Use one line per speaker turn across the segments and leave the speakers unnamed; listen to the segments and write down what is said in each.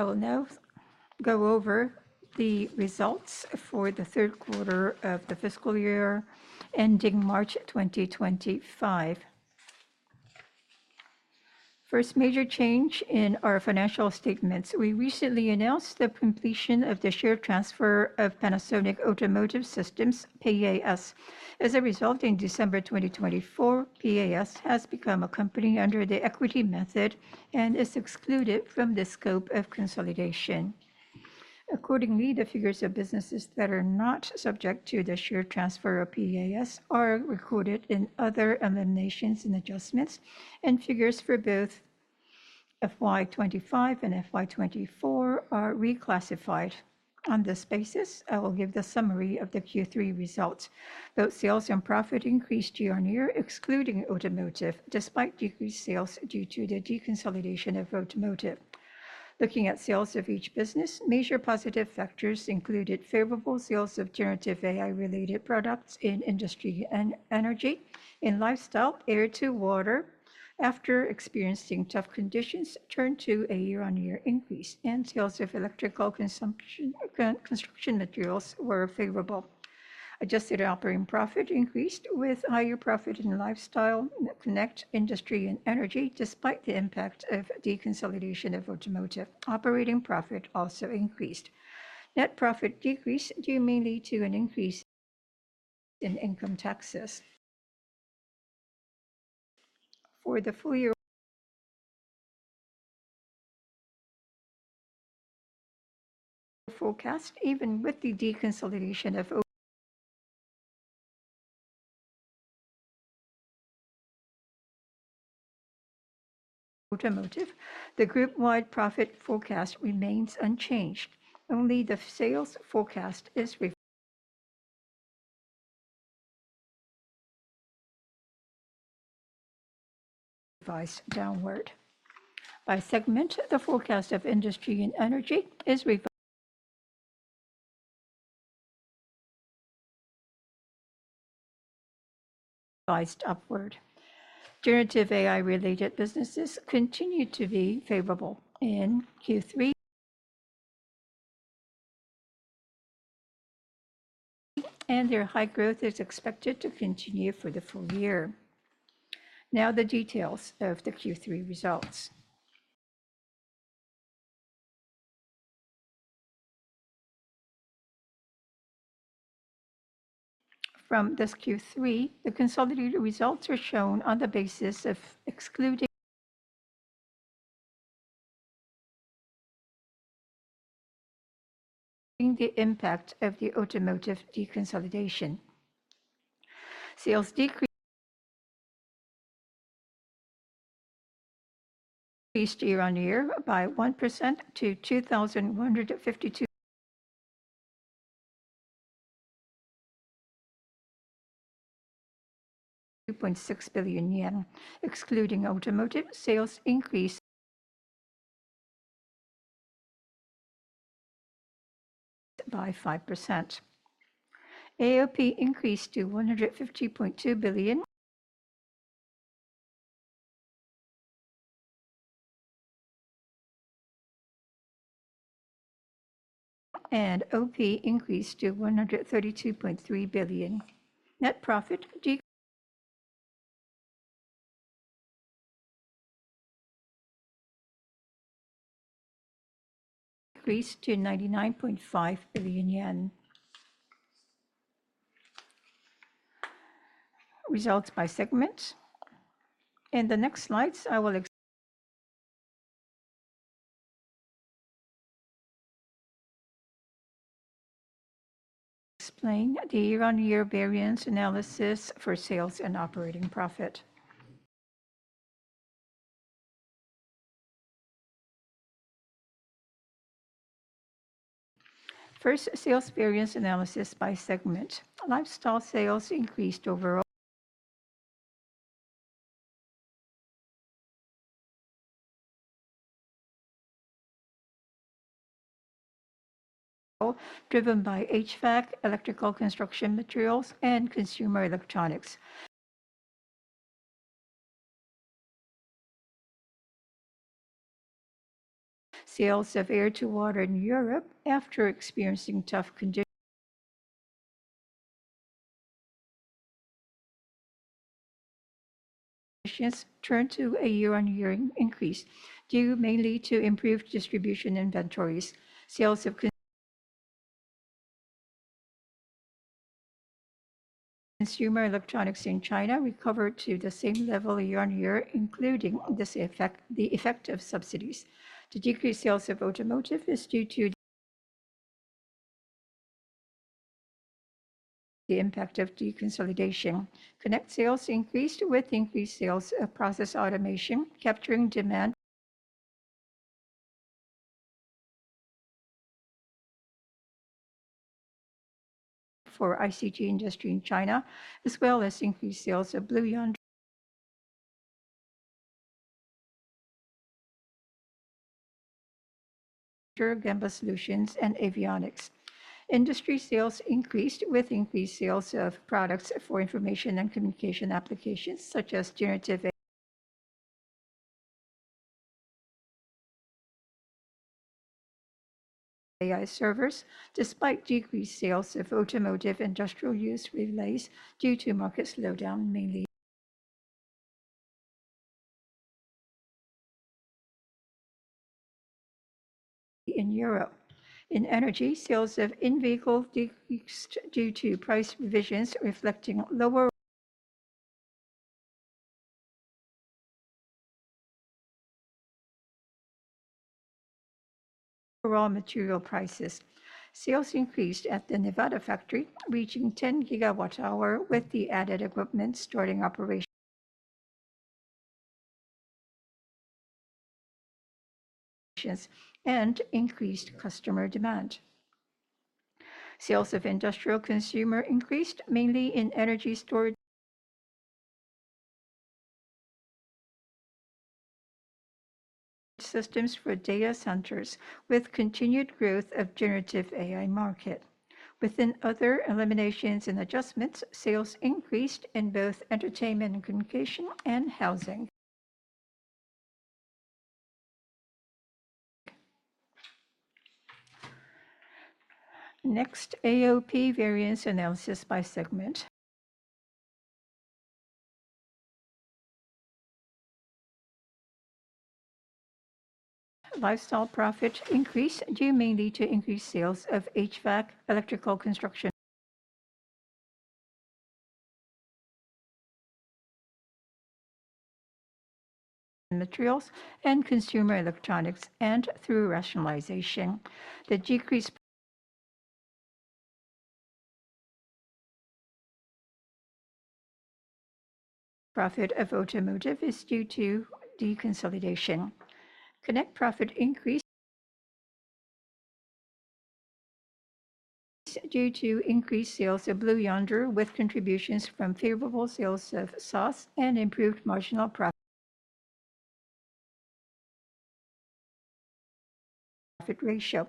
I will now go over the results for the third quarter of the fiscal year ending March 2025. First major change in our financial statements: we recently announced the completion of the share transfer of Panasonic Automotive Systems, PAS. As a result, in December 2024, PAS has become a company under the equity method and is excluded from the scope of consolidation. Accordingly, the figures of businesses that are not subject to the share transfer of PAS are recorded in other eliminations and adjustments, and figures for both FY25 and FY24 are reclassified. On this basis, I will give the summary of the Q3 results. Both sales and profit increased year-over-year, excluding Automotive, despite decreased sales due to the deconsolidation of Automotive. Looking at sales of each business, major positive factors included favorable sales of generative AI-related products in Industry and Energy. In Lifestyle, Air-to-Water, after experiencing tough conditions, turned to a year-on-year increase. And sales of electrical construction materials were favorable. Adjusted Operating Profit increased, with higher profit in Lifestyle, Connect, Industry, and Energy, despite the impact of deconsolidation of Automotive. Operating Profit also increased. Net profit decreased due mainly to an increase in income taxes. For the full-year forecast, even with the deconsolidation of Automotive, the group-wide profit forecast remains unchanged. Only the sales forecast is revised downward. By segment, the forecast of Industry and Energy is revised upward. Generative AI-related businesses continue to be favorable in Q3, and their high growth is expected to continue for the full year. Now, the details of the Q3 results. From this Q3, the consolidated results are shown on the basis of excluding the impact of the Automotive deconsolidation. Sales decreased year-on-year by 1% to 2,152.3 billion yen, excluding Automotive. Sales increased by 5%. AOP increased to JPY 150.2 billion, and OP increased to 132.3 billion. Net profit decreased to JPY 99.5 billion. Results by segment. In the next slides, I will explain the year-on-year variance analysis for sales and operating profit. First, sales variance analysis by segment. Lifestyle sales increased overall, driven by HVAC, electrical construction materials, and Consumer Electronics. Sales of Air-to-Water in Europe, after experiencing tough conditions, turned to a year-on-year increase, due mainly to improved distribution inventories. Sales of Consumer Electronics in China recovered to the same level year-on-year, including the effect of subsidies. The decreased sales of Automotive is due to the impact of deconsolidation. Connect sales increased with increased sales of Process Automation, capturing demand for ICT industry in China, as well as increased sales of Blue Yonder, Gemba Solutions, and Avionics. Industry sales increased with increased sales of products for information and communication applications, such as generative AI servers, despite decreased sales of Automotive industrial use relays due to market slowdown mainly in Europe. In Energy, sales of In-vehicle decreased due to price revisions, reflecting lower raw material prices. Sales increased at the Nevada factory, reaching 10 GWh with the added equipment starting operations and increased customer demand. Sales of Industrial Consumer increased, mainly in Energy Storage Systems for data centers, with continued growth of the generative AI market. Within other eliminations and adjustments, sales increased in both Entertainment and Communication and Housing. Next, AOP variance analysis by segment. Lifestyle profit increased due mainly to increased sales of HVAC, electrical construction materials, and Consumer Electronics, and through rationalization. The decreased profit of Automotive is due to deconsolidation. Connect profit increased due to increased sales of Blue Yonder, with contributions from favorable sales of SaaS and improved marginal profit ratio.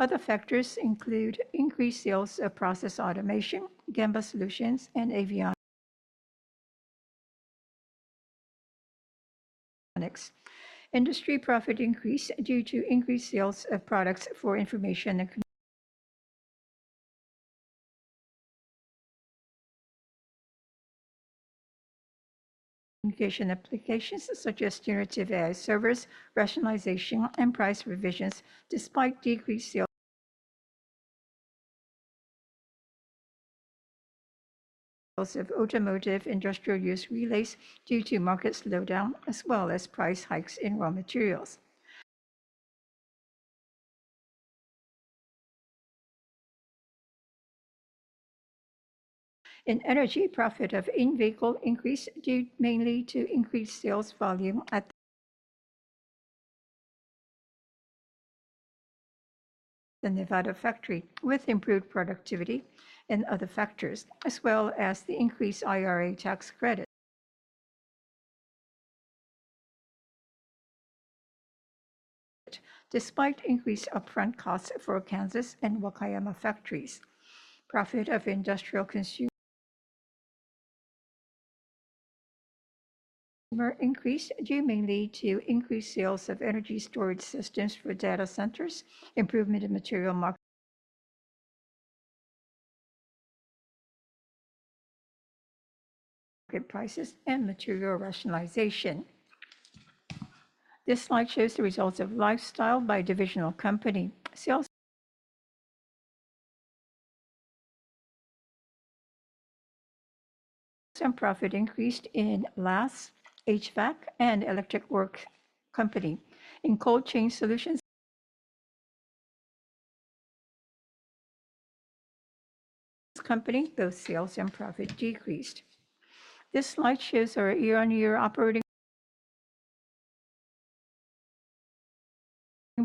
Other factors include increased sales of Process Automation, Gemba Solutions, and Avionics. Industry profit increased due to increased sales of products for information and communication applications, such as generative AI servers, rationalization, and price revisions, despite decreased sales of Automotive industrial use relays due to market slowdown, as well as price hikes in raw materials. In Energy, profit of In-vehicle increased mainly due to increased sales volume at the Nevada factory, with improved productivity and other factors, as well as the increased IRA tax credit. Despite increased upfront costs for Kansas and Wakayama factories, profit of Industrial Consumer increased due mainly to increased sales of Energy Storage Systems for data centers, improvement in material market prices, and material rationalization. This slide shows the results of Lifestyle by divisional companies. Sales and profit increased in LAS, HVAC, and Electric Works Company. In Cold Chain Solutions Company, both sales and profit decreased. This slide shows our year-on-year operating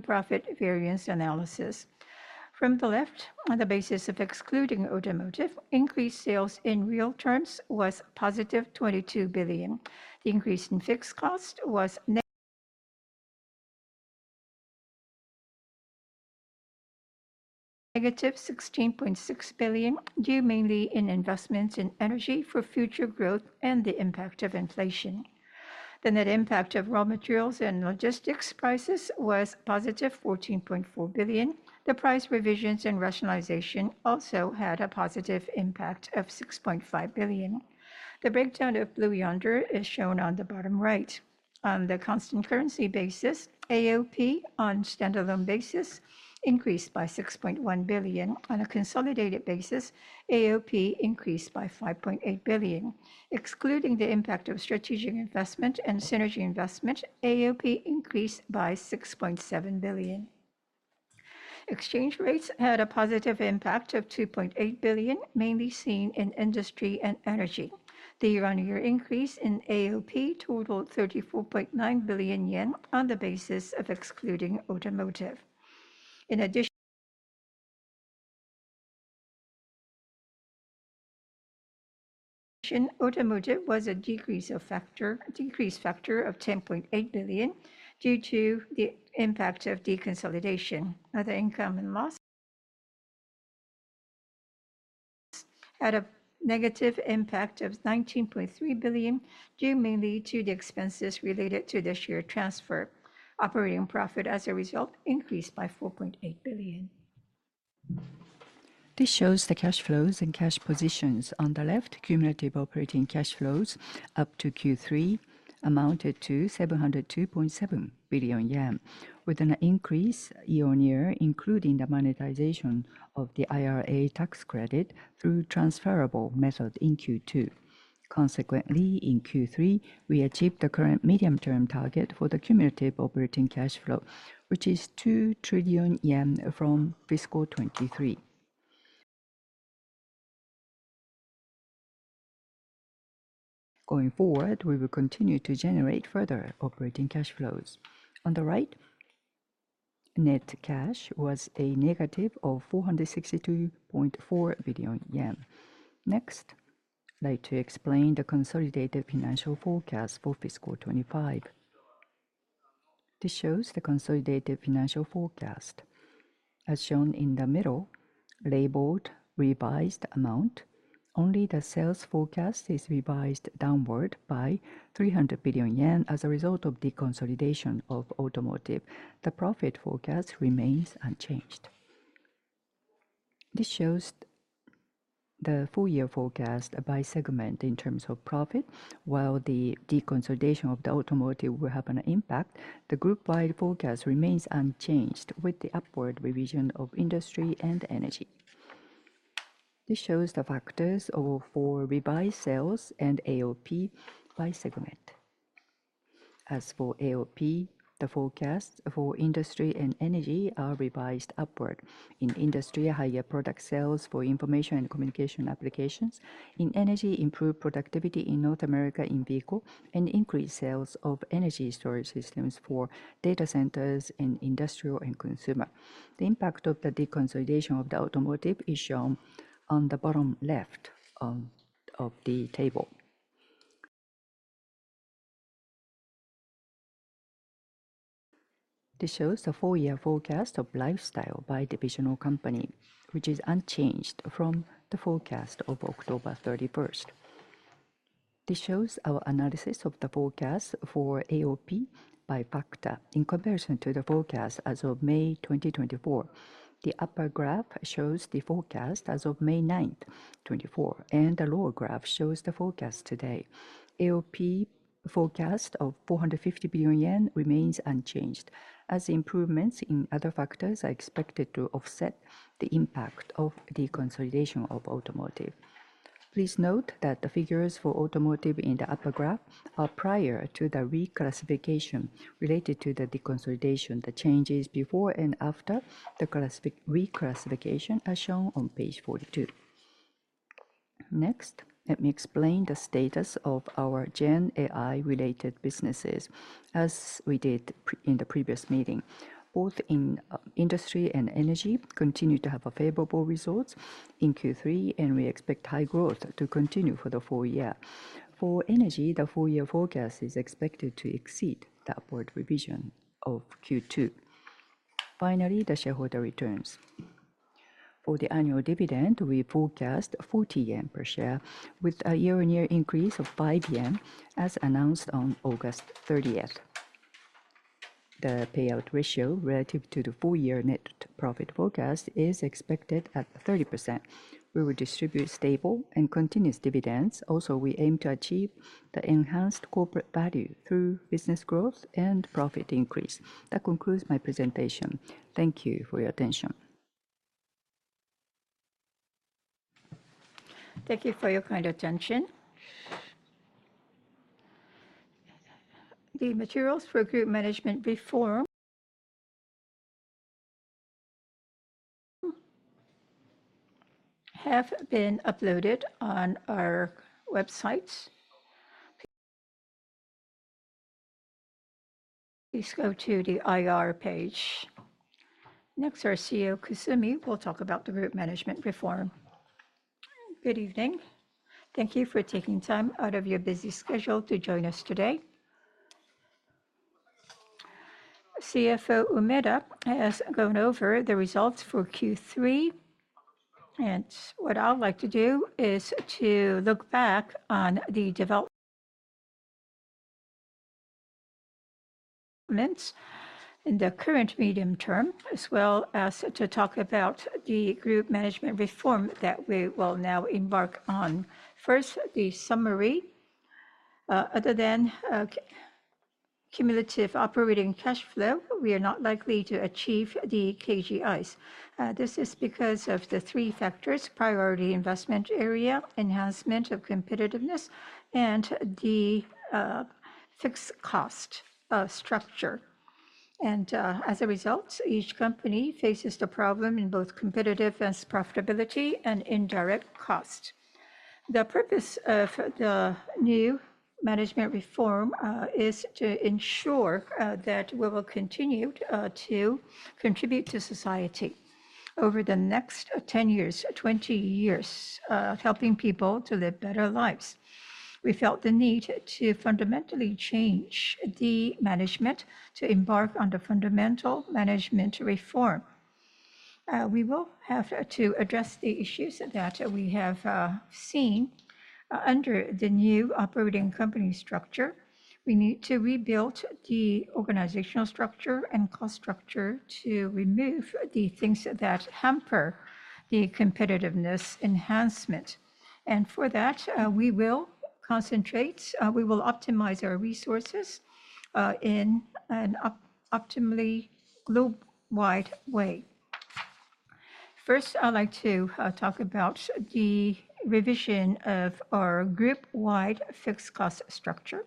profit variance analysis. From the left, on the basis of excluding Automotive, increased sales in real terms was positive 22 billion. The increase in fixed costs was negative 16.6 billion, due mainly to investments in Energy for future growth and the impact of inflation. The net impact of raw materials and logistics prices was positive 14.4 billion. The price revisions and rationalization also had a positive impact of 6.5 billion. The breakdown of Blue Yonder is shown on the bottom right. On the constant currency basis, AOP on standalone basis increased by 6.1 billion. On a consolidated basis, AOP increased by 5.8 billion. Excluding the impact of strategic investment and synergy investment, AOP increased by 6.7 billion. Exchange rates had a positive impact of 2.8 billion, mainly seen in Industry and Energy. The year-on-year increase in AOP totaled 34.9 billion yen on the basis of excluding Automotive. In addition, Automotive was a decrease factor of 10.8 billion due to the impact of deconsolidation. Other income and loss had a negative impact of 19.3 billion, due mainly to the expenses related to the share transfer. Operating profit, as a result, increased by 4.8 billion. This shows the cash flows and cash positions. On the left, cumulative operating cash flows up to Q3 amounted to 702.7 billion yen, with an increase year-on-year, including the monetization of the IRA tax credit through transferable method in Q2. Consequently, in Q3, we achieved the current medium-term target for the cumulative operating cash flow, which is 2 trillion yen from fiscal 2023. Going forward, we will continue to generate further operating cash flows. On the right, net cash was a negative of 462.4 billion yen. Next, I'd like to explain the consolidated financial forecast for fiscal 2025. This shows the consolidated financial forecast. As shown in the middle, labeled revised amount, only the sales forecast is revised downward by 300 billion yen as a result of deconsolidation of Automotive. The profit forecast remains unchanged. This shows the full-year forecast by segment in terms of profit. While the deconsolidation of the Automotive will have an impact, the group-wide forecast remains unchanged, with the upward revision of Industry and Energy. This shows the factors for revised sales and AOP by segment. As for AOP, the forecasts for Industry and Energy are revised upward. In Industry, higher product sales for information and communication applications. In Energy, improved productivity in North America in vehicles, and increased sales of Energy Storage Systems for data centers and Industrial and Consumer. The impact of the deconsolidation of the Automotive is shown on the bottom left of the table. This shows the full-year forecast of Lifestyle by divisional company, which is unchanged from the forecast of October 31. This shows our analysis of the forecast for AOP by factor in comparison to the forecast as of May 2024. The upper graph shows the forecast as of May 9, 2024, and the lower graph shows the forecast today. AOP forecast of 450 billion yen remains unchanged, as improvements in other factors are expected to offset the impact of the consolidation of Automotive. Please note that the figures for Automotive in the upper graph are prior to the reclassification related to the deconsolidation. The changes before and after the reclassification are shown on page 42. Next, let me explain the status of our Gen AI-related businesses, as we did in the previous meeting. Both in Industry and Energy continue to have favorable results in Q3, and we expect high growth to continue for the full year. For Energy, the full-year forecast is expected to exceed the upward revision of Q2. Finally, the shareholder returns. For the annual dividend, we forecast 40 yen per share, with a year-on-year increase of 5 yen, as announced on August 30. The payout ratio relative to the full-year net profit forecast is expected at 30%. We will distribute stable and continuous dividends. Also, we aim to achieve the enhanced corporate value through business growth and profit increase. That concludes my presentation. Thank you for your attention.
Thank you for your kind attention. The materials for group management reform have been uploaded on our websites. Please go to the IR page. Next, our CEO, Kusumi, will talk about the group management reform.
Good evening. Thank you for taking time out of your busy schedule to join us today. CFO Umeda has gone over the results for Q3, and what I'd like to do is to look back on the developments in the current medium term, as well as to talk about the group management reform that we will now embark on. First, the summary. Other than cumulative operating cash flow, we are not likely to achieve the KGIs. This is because of the three factors: priority investment area, enhancement of competitiveness, and the fixed cost structure, and as a result, each company faces the problem in both competitive profitability and indirect cost. The purpose of the new management reform is to ensure that we will continue to contribute to society over the next 10 years, 20 years, helping people to live better lives. We felt the need to fundamentally change the management to embark on the fundamental management reform. We will have to address the issues that we have seen under the new operating company structure. We need to rebuild the organizational structure and cost structure to remove the things that hamper the competitiveness enhancement. And for that, we will concentrate. We will optimize our resources in an optimally global-wide way. First, I'd like to talk about the revision of our group-wide fixed cost structure.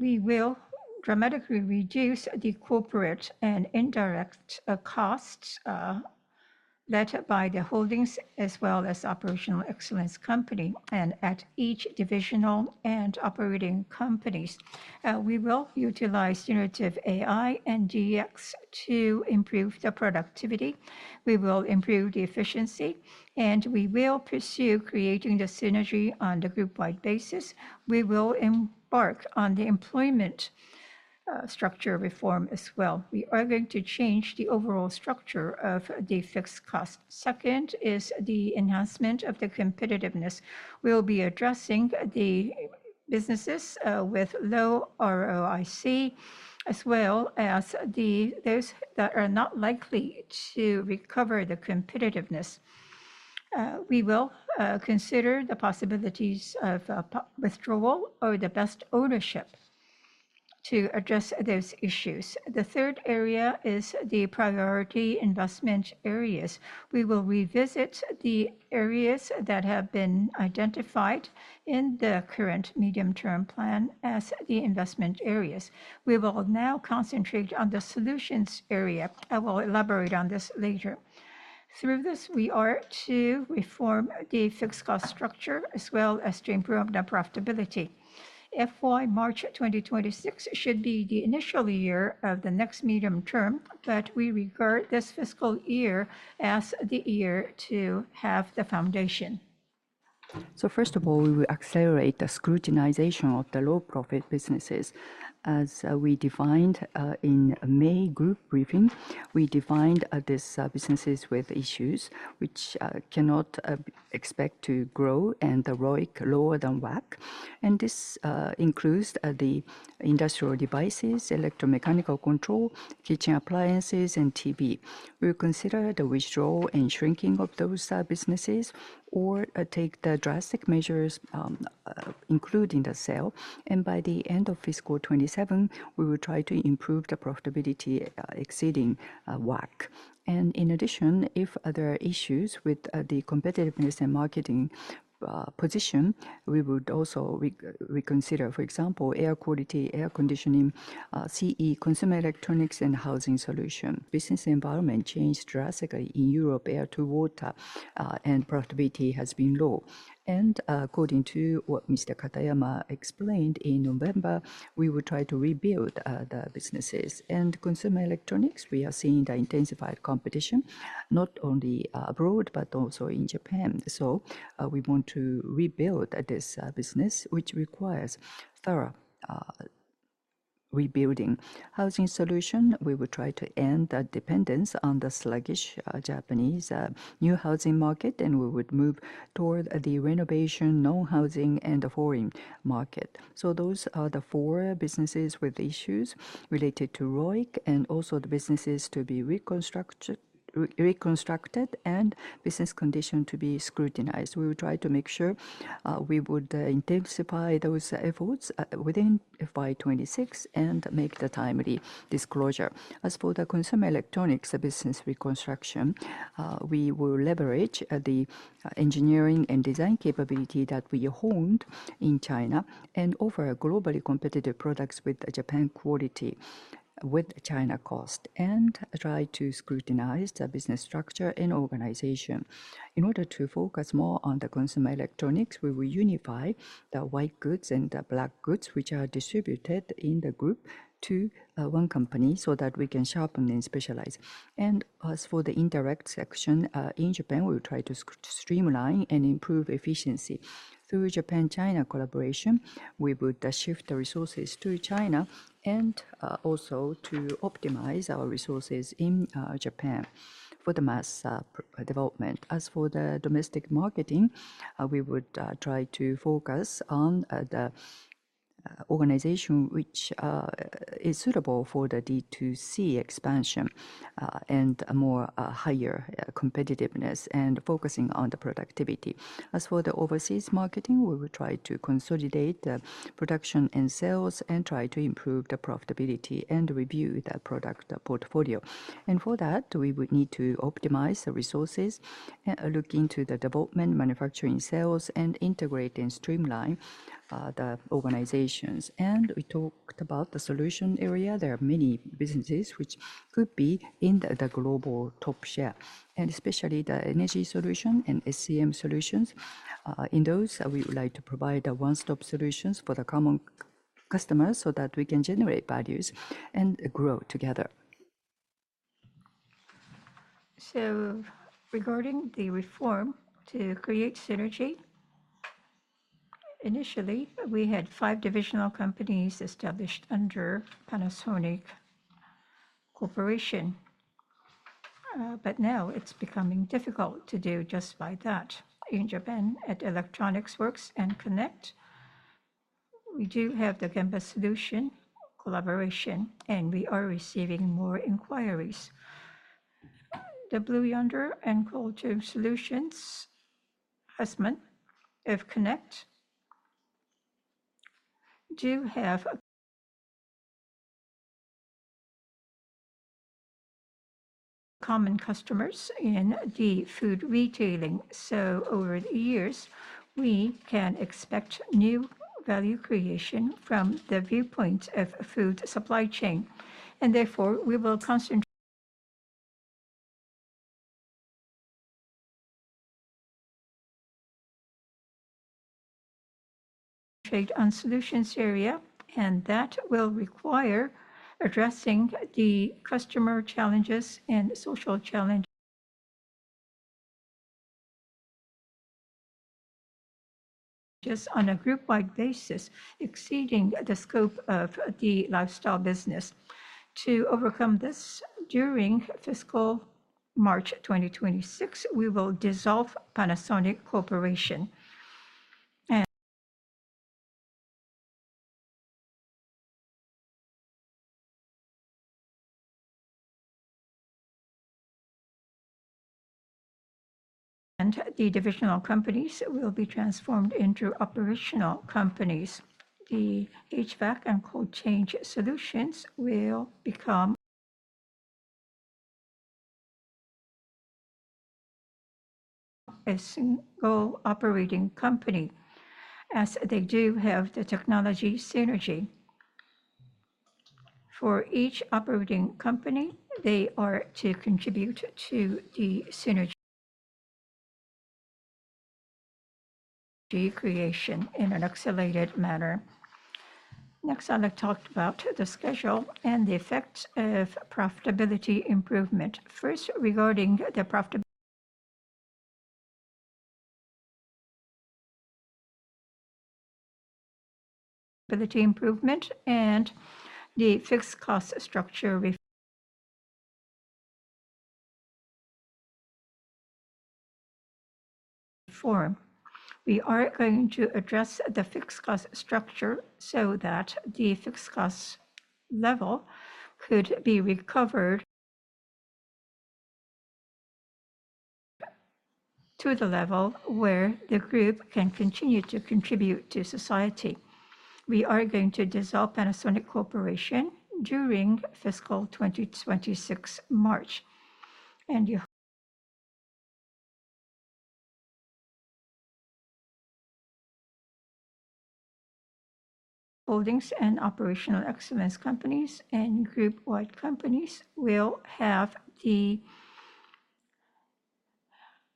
We will dramatically reduce the corporate and indirect costs led by the holdings, as well as Operational Excellence Company and at each divisional and operating companies. We will utilize generative AI and DX to improve the productivity. We will improve the efficiency, and we will pursue creating the synergy on the group-wide basis. We will embark on the employment structure reform as well. We are going to change the overall structure of the fixed cost. Second is the enhancement of the competitiveness. We will be addressing the businesses with low ROIC, as well as those that are not likely to recover the competitiveness. We will consider the possibilities of withdrawal or the best ownership to address those issues. The third area is the priority investment areas. We will revisit the areas that have been identified in the current medium-term plan as the investment areas. We will now concentrate on the solutions area. I will elaborate on this later. Through this, we are to reform the fixed cost structure as well as to improve the profitability. FY March 2026 should be the initial year of the next medium-term plan, but we regard this fiscal year as the year to have the foundation. So first of all, we will accelerate the scrutinization of the low-profit businesses. As we defined in May group briefing, we defined these businesses with issues which cannot expect to grow and the ROIC lower than WACC. This includes the Industrial Devices, Electromechanical Control, Kitchen Appliances, and TV. We will consider the withdrawal and shrinking of those businesses or take the drastic measures, including the sale. By the end of fiscal 2027, we will try to improve the profitability exceeding WACC. In addition, if there are issues with the competitiveness and marketing position, we would also reconsider, for example, Air Quality, Air Conditioning, CE, Consumer Electronics, and Housing Solutions. Business environment changed drastically in Europe. Air-to-water and productivity has been low. According to what Mr. Katayama explained in November, we will try to rebuild the businesses. Consumer Electronics, we are seeing the intensified competition not only abroad but also in Japan. We want to rebuild this business, which requires thorough rebuilding. Housing Solutions, we will try to end the dependence on the sluggish Japanese new Housing market, and we would move toward the renovation, non-Housing, and the foreign market. Those are the four businesses with issues related to ROIC and also the businesses to be reconstructed and business condition to be scrutinized. We will try to make sure we would intensify those efforts within FY 2026 and make the timely disclosure. As for the Consumer Electronics business reconstruction, we will leverage the engineering and design capability that we honed in China and offer globally competitive products with Japan quality with China cost and try to scrutinize the business structure and organization. In order to focus more on the Consumer Electronics, we will unify the white goods and the black goods, which are distributed in the group to one company so that we can sharpen and specialize, and as for the indirect section in Japan, we will try to streamline and improve efficiency. Through Japan-China collaboration, we would shift the resources to China and also to optimize our resources in Japan for the mass development. As for the domestic marketing, we would try to focus on the organization which is suitable for the D2C expansion and more higher competitiveness and focusing on the productivity. As for the overseas marketing, we will try to consolidate the production and sales and try to improve the profitability and review the product portfolio, and for that, we would need to optimize the resources and look into the development, manufacturing, sales, and integrate and streamline the organizations. We talked about the solution area. There are many businesses which could be in the global top share, and especially the Energy Solution and SCM Solutions. In those, we would like to provide the one-stop solutions for the common customers so that we can generate values and grow together. Regarding the reform to create synergy, initially, we had five divisional companies established under Panasonic Corporation, but now it's becoming difficult to do just by that. In Japan, at Electric Works and Connect, we do have the Gemba Solution collaboration, and we are receiving more inquiries. The Blue Yonder and Cold Chain Solutions, Hussmann, EV Connect, do have common customers in the food retailing. Over the years, we can expect new value creation from the viewpoint of food supply chain. Therefore, we will concentrate on solutions area, and that will require addressing the customer challenges and social challenges on a group-wide basis, exceeding the scope of the Lifestyle business. To overcome this, during fiscal March 2026, we will dissolve Panasonic Corporation. The divisional companies will be transformed into operational companies. The HVAC and Cold Chain solutions will become a single operating company, as they do have the technology synergy. For each operating company, they are to contribute to the synergy creation in an accelerated manner. Next, I'd like to talk about the schedule and the effect of profitability improvement. First, regarding the profitability improvement and the fixed cost structure reform, we are going to address the fixed cost structure so that the fixed cost level could be recovered to the level where the group can continue to contribute to society. We are going to dissolve Panasonic Corporation during fiscal 2026 March. And holdings and operational excellence companies and group-wide companies will have the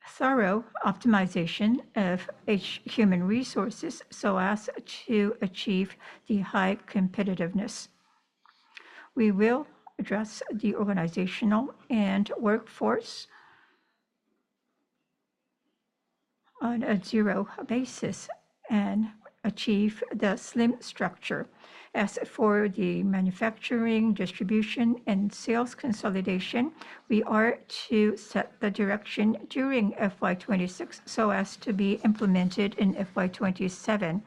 thorough optimization of human resources so as to achieve the high competitiveness. We will address the organizational and workforce on a zero basis and achieve the slim structure. As for the manufacturing, distribution, and sales consolidation, we are to set the direction during FY 2026 so as to be implemented in FY 2027.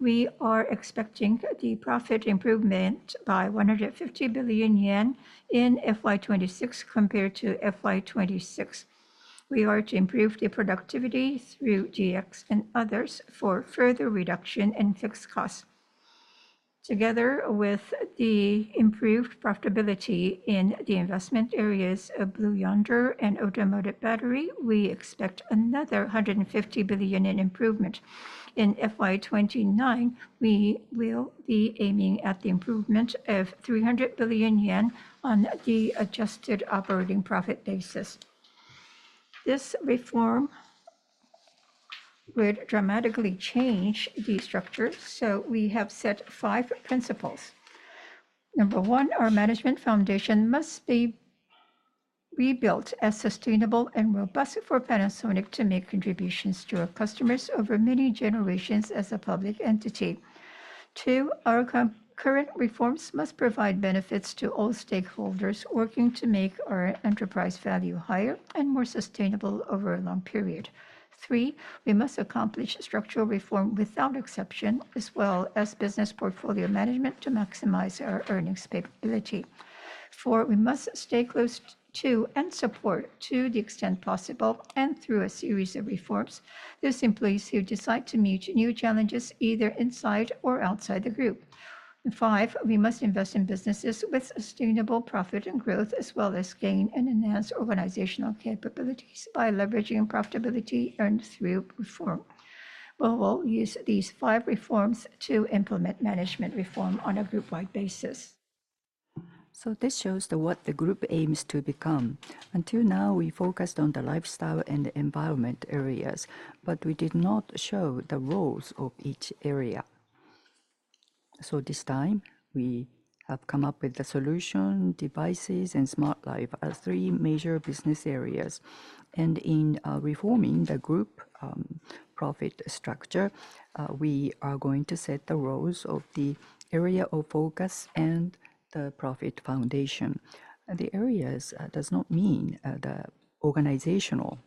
We are expecting the profit improvement by 150 billion yen in FY 2026 compared to FY 2026. We are to improve the productivity through DX and others for further reduction in fixed costs. Together with the improved profitability in the investment areas of Blue Yonder and Automotive Battery, we expect another 150 billion in improvement. In FY 29, we will be aiming at the improvement of 300 billion yen on the adjusted operating profit basis. This reform would dramatically change the structure. So we have set five principles. Number one, our management foundation must be rebuilt as sustainable and robust for Panasonic to make contributions to our customers over many generations as a public entity. Two, our current reforms must provide benefits to all stakeholders working to make our enterprise value higher and more sustainable over a long period. Three, we must accomplish structural reform without exception, as well as business portfolio management to maximize our earnings capability. Four, we must stay close to and support to the extent possible and through a series of reforms those employees who decide to meet new challenges either inside or outside the group. Five, we must invest in businesses with sustainable profit and growth, as well as gain and enhance organizational capabilities by leveraging profitability earned through reform. We will use these five reforms to implement management reform on a group-wide basis. So this shows what the group aims to become. Until now, we focused on the Lifestyle and the environment areas, but we did not show the roles of each area. So this time, we have come up with the Solution, Devices, and Smart Life as three major business areas. And in reforming the group profit structure, we are going to set the roles of the area of focus and the profit foundation. The areas do not mean the organizational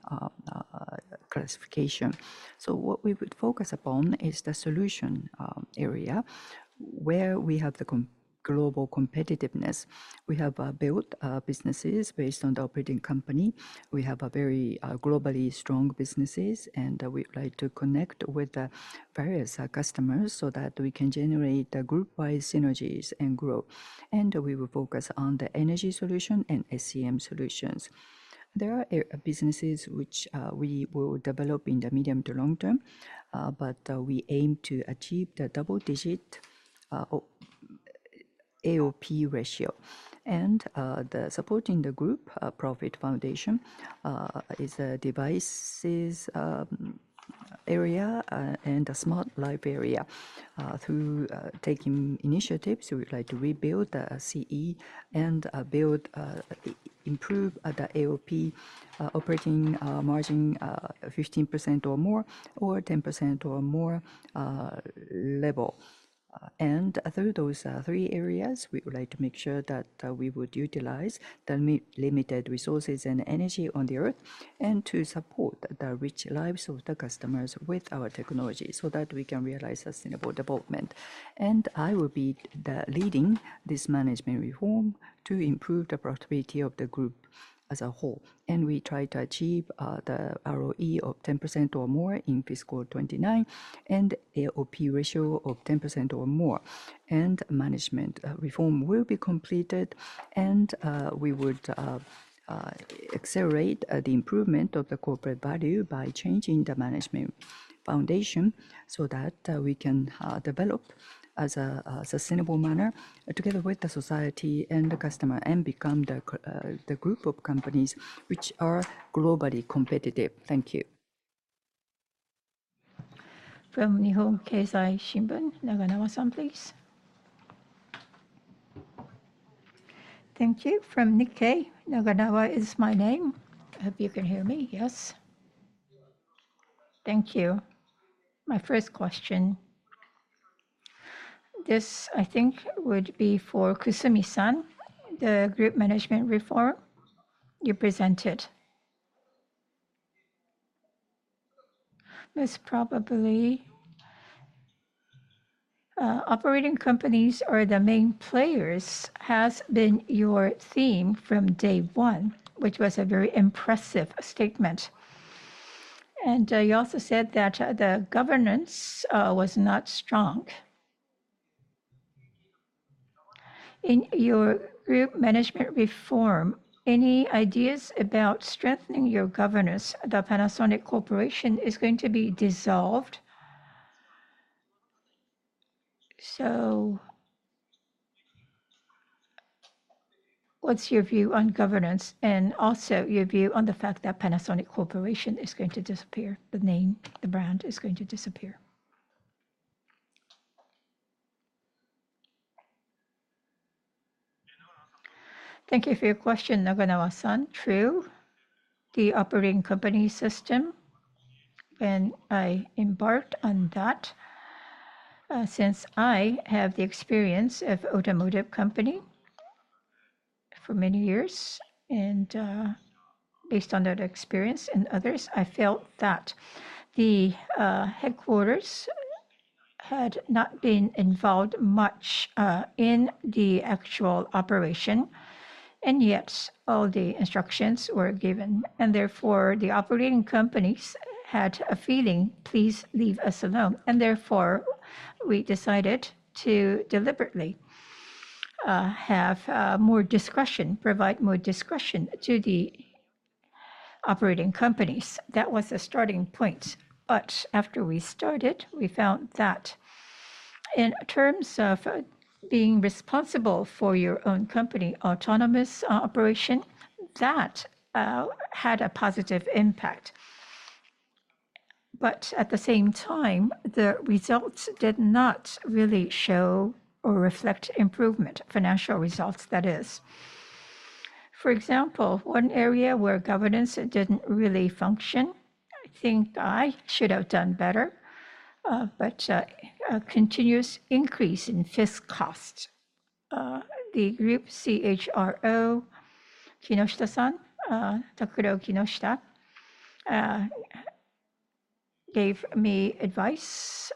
classification. So what we would focus upon is the Solution area where we have the global competitiveness. We have built businesses based on the operating company. We have very globally strong businesses, and we would like to connect with the various customers so that we can generate group-wide synergies and grow. And we will focus on the Energy solution and SCM Solutions. There are businesses which we will develop in the medium to long term, but we aim to achieve the double-digit AOP ratio. And the supporting the group profit foundation is a Devices area and a Smart Life area. Through taking initiatives, we would like to rebuild the CE and improve the AOP operating margin 15% or more or 10% or more level. And through those three areas, we would like to make sure that we would utilize the limited resources and Energy on the earth and to support the rich lives of the customers with our technology so that we can realize sustainable development. And I will be leading this management reform to improve the profitability of the group as a whole. And we try to achieve the ROE of 10% or more in fiscal 2029 and AOP ratio of 10% or more. And management reform will be completed, and we would accelerate the improvement of the corporate value by changing the management foundation so that we can develop as a sustainable manner together with the society and the customer and become the group of companies which are globally competitive. Thank you.
From Nihon Keizai Shimbun, Naganawa-san, please. Thank you. From Nikkei, Naganawa is my name. I hope you can hear me. Yes. Thank you. My first question, this I think would be for Kusumi-san, the group management reform you presented. Most probably, operating companies are the main players has been your theme from day one, which was a very impressive statement. And you also said that the governance was not strong. In your group management reform, any ideas about strengthening your governance? The Panasonic Corporation is going to be dissolved. So what's your view on governance and also your view on the fact that Panasonic Corporation is going to disappear? The name, the brand is going to disappear.
Thank you for your question, Naganawa-san. True, the operating company system, and I embarked on that since I have the experience of Automotive company for many years. And based on that experience and others, I felt that the headquarters had not been involved much in the actual operation, and yet all the instructions were given. And therefore, the operating companies had a feeling, please leave us alone. And therefore, we decided to deliberately have more discretion, provide more discretion to the operating companies. That was a starting point. But after we started, we found that in terms of being responsible for your own company autonomous operation, that had a positive impact. But at the same time, the results did not really show or reflect improvement, financial results, that is. For example, one area where governance didn't really function, I think I should have done better, but continuous increase in fiscal costs. The Group CHRO, Kinoshita-san, Takuro Kinoshita, gave me advice,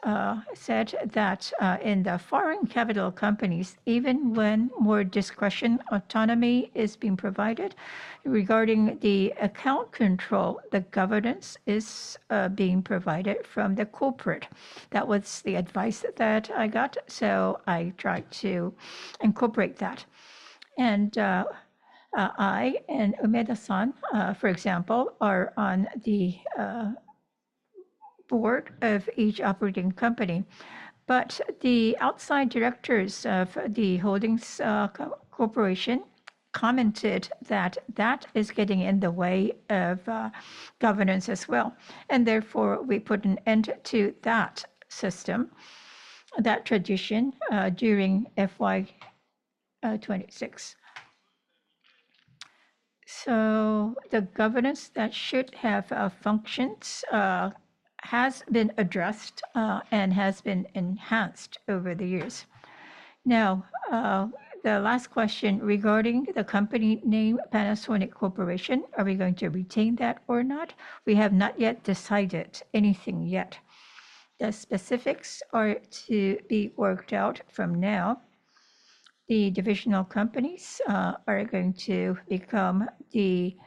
said that in the foreign capital companies, even when more discretion autonomy is being provided regarding the account control, the governance is being provided from the corporate. That was the advice that I got, so I tried to incorporate that. And I and Umeda-san, for example, are on the board of each operating company. But the outside directors of the holdings corporation commented that that is getting in the way of governance as well. Therefore, we put an end to that system, that tradition during FY 26. The governance that should have functioned has been addressed and has been enhanced over the years. Now, the last question regarding the company name Panasonic Corporation, are we going to retain that or not? We have not yet decided anything yet. The specifics are to be worked out from now. The divisional companies are going to become the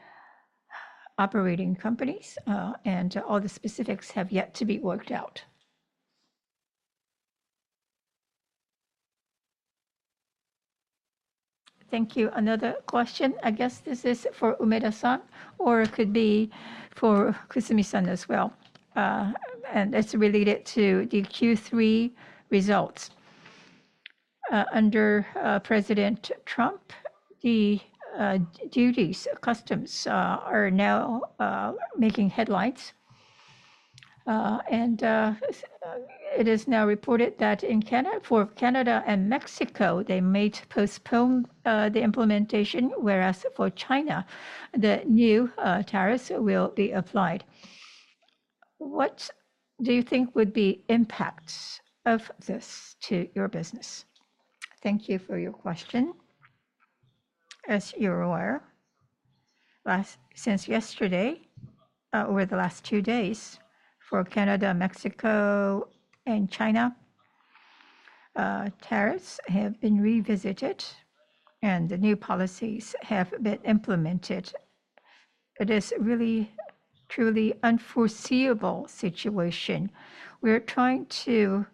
operating companies, and all the specifics have yet to be worked out. Thank you. Another question. I guess this is for Umeda-san or it could be for Kusumi-san as well. It's related to the Q3 results. Under President Trump, the duties, customs are now making headlines. It is now reported that for Canada and Mexico, they may postpone the implementation, whereas for China, the new tariffs will be applied. What do you think would be the impacts of this to your business?
Thank you for your question. As you're aware, since yesterday, over the last two days, for Canada, Mexico, and China, tariffs have been revisited and the new policies have been implemented. It is a really, truly unforeseeable situation. We're trying to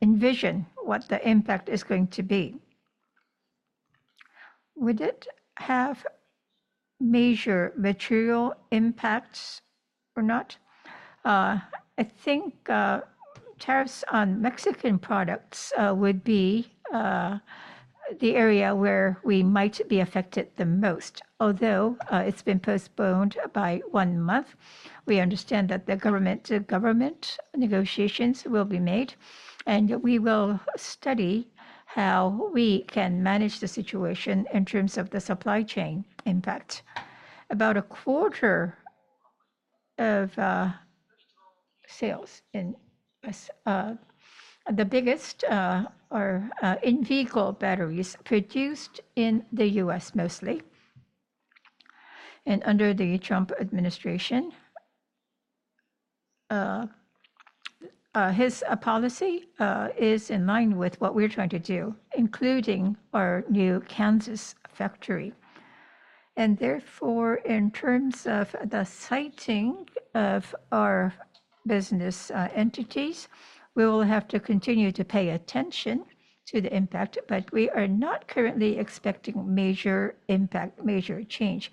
envision what the impact is going to be. Would it have major material impacts or not? I think tariffs on Mexican products would be the area where we might be affected the most. Although it's been postponed by one month, we understand that the government-to-government negotiations will be made, and we will study how we can manage the situation in terms of the supply chain impact. About a quarter of sales in the business are in vehicle batteries produced in the US mostly. Under the Trump administration, his policy is in line with what we're trying to do, including our new Kansas factory. Therefore, in terms of the siting of our business entities, we will have to continue to pay attention to the impact, but we are not currently expecting major impact, major change.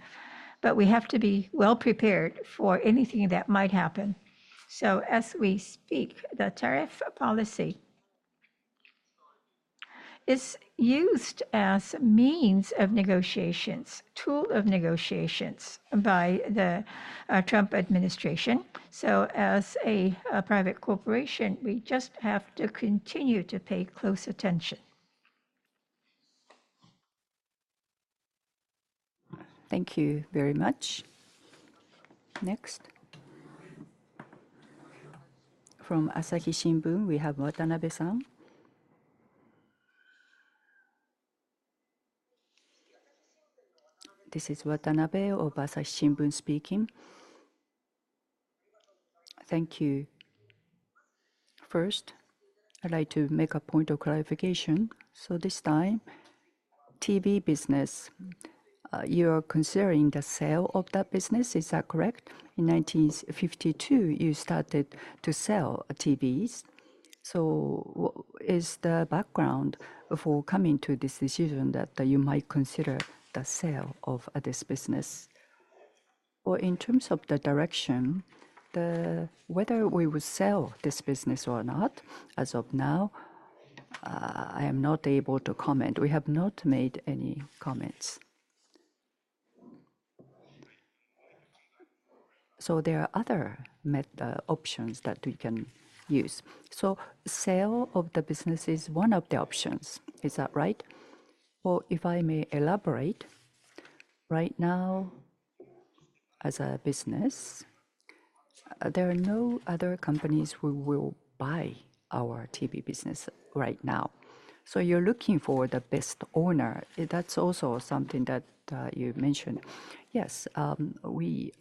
We have to be well prepared for anything that might happen. As we speak, the tariff policy is used as a means of negotiations, tool of negotiations by the Trump administration. As a private corporation, we just have to continue to pay close attention. Thank you very much. Next, from Asahi Shimbun, we have Watanabe-san. This is Watanabe of Asahi Shimbun speaking. Thank you. First, I'd like to make a point of clarification. This time, TV business, you are considering the sale of that business, is that correct? In 1952, you started to sell TVs. So what is the background for coming to this decision that you might consider the sale of this business?
Well, in terms of the direction, whether we will sell this business or not, as of now, I am not able to comment. We have not made any comments. So there are other options that we can use. So sale of the business is one of the options, is that right? Well, if I may elaborate, right now, as a business, there are no other companies who will buy our TV business right now. So you're looking for the best owner. That's also something that you mentioned. Yes, we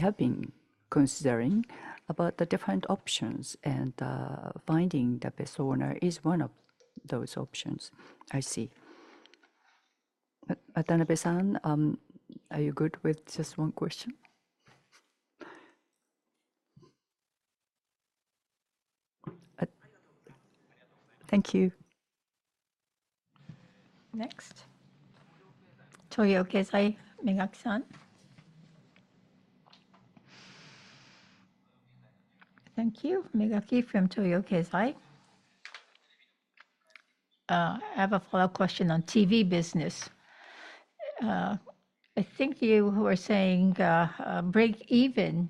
have been considering about the different options, and finding the best owner is one of those options. I see. Watanabe-san, are you good with just one question?
Thank you. Next, Toyo Keizai, Megaki-san. Thank you. Megaki from Toyo Keizai. I have a follow-up question on TV business. I think you were saying break-even,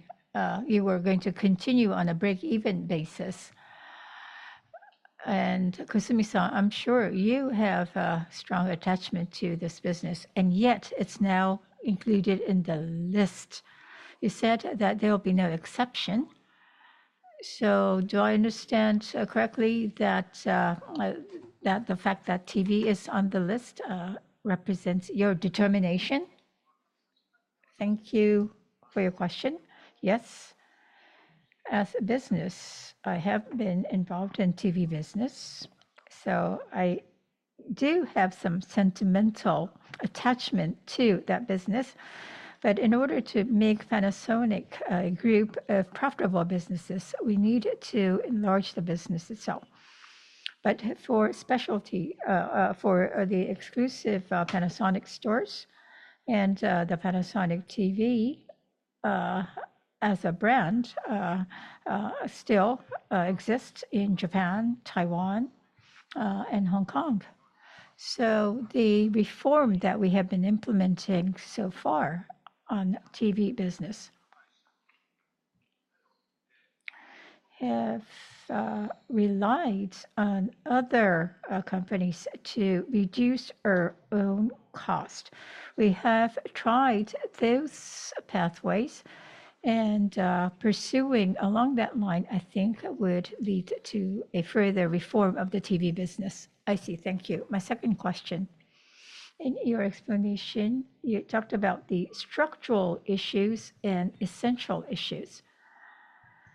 you were going to continue on a break-even basis. And Kusumi-san, I'm sure you have a strong attachment to this business, and yet it's now included in the list. You said that there will be no exception. So do I understand correctly that the fact that TV is on the list represents your determination?
Thank you for your question. Yes. As a business, I have been involved in TV business, so I do have some sentimental attachment to that business. But in order to make Panasonic a group of profitable businesses, we need to enlarge the business itself. But for specialty, for the exclusive Panasonic stores and the Panasonic TV as a brand, still exists in Japan, Taiwan, and Hong Kong. So the reform that we have been implementing so far on TV business has relied on other companies to reduce our own cost. We have tried those pathways, and pursuing along that line, I think would lead to a further reform of the TV business. I see. Thank you. My second question. In your explanation, you talked about the structural issues and essential issues.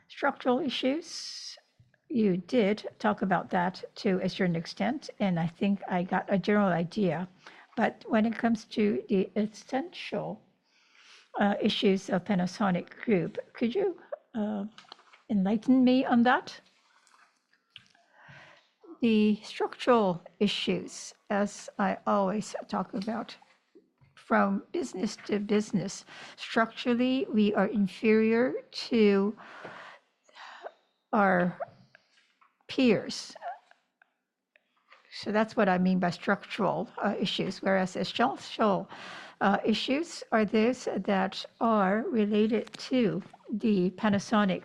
Structural issues, you did talk about that to a certain extent, and I think I got a general idea. But when it comes to the essential issues of Panasonic Group, could you enlighten me on that? The structural issues, as I always talk about, from business to business, structurally, we are inferior to our peers. So that's what I mean by structural issues. Whereas essential issues are those that are related to the Panasonic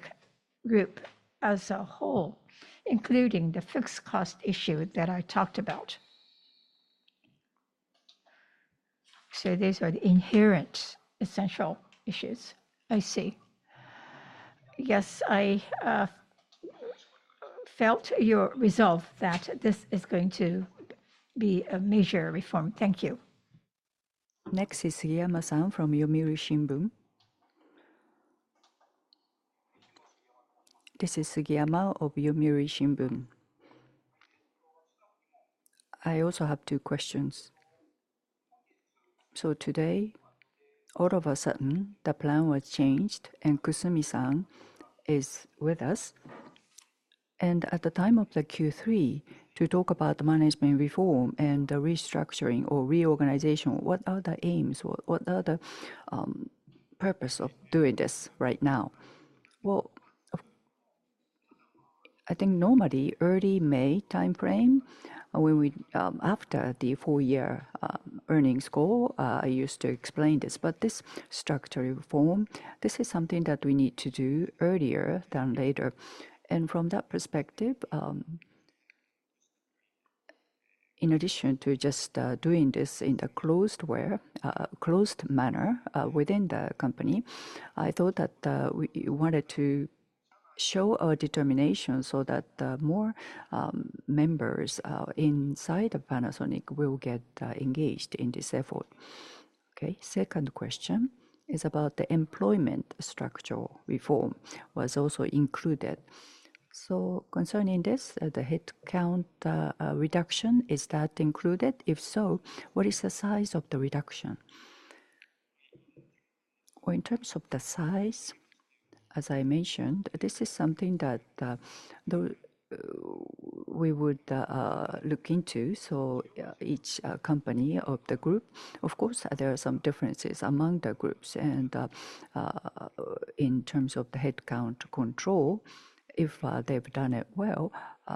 Group as a whole, including the fixed cost issue that I talked about. So these are the inherent essential issues. I see. Yes, I felt your resolve that this is going to be a major reform.
Thank you. Next is Sugiyama-san from Yomiuri Shimbun. This is Sugiyama of Yomiuri Shimbun.
I also have two questions. So today, all of a sudden, the plan was changed, and Kusumi-san is with us. And at the time of the Q3, to talk about the management reform and the restructuring or reorganization, what are the aims? What are the purpose of doing this right now? Well, I think normally, early May timeframe, after the four-year earnings goal, I used to explain this. But this structural reform, this is something that we need to do earlier than later. And from that perspective, in addition to just doing this in the closed way, closed manner within the company, I thought that we wanted to show our determination so that more members inside of Panasonic will get engaged in this effort. Okay. Second question is about the employment structure reform. Was also included. So concerning this, the headcount reduction, is that included? If so, what is the size of the reduction?
Well, in terms of the size, as I mentioned, this is something that we would look into. So each company of the group, of course, there are some differences among the groups. And in terms of the headcount control, if they've done it well,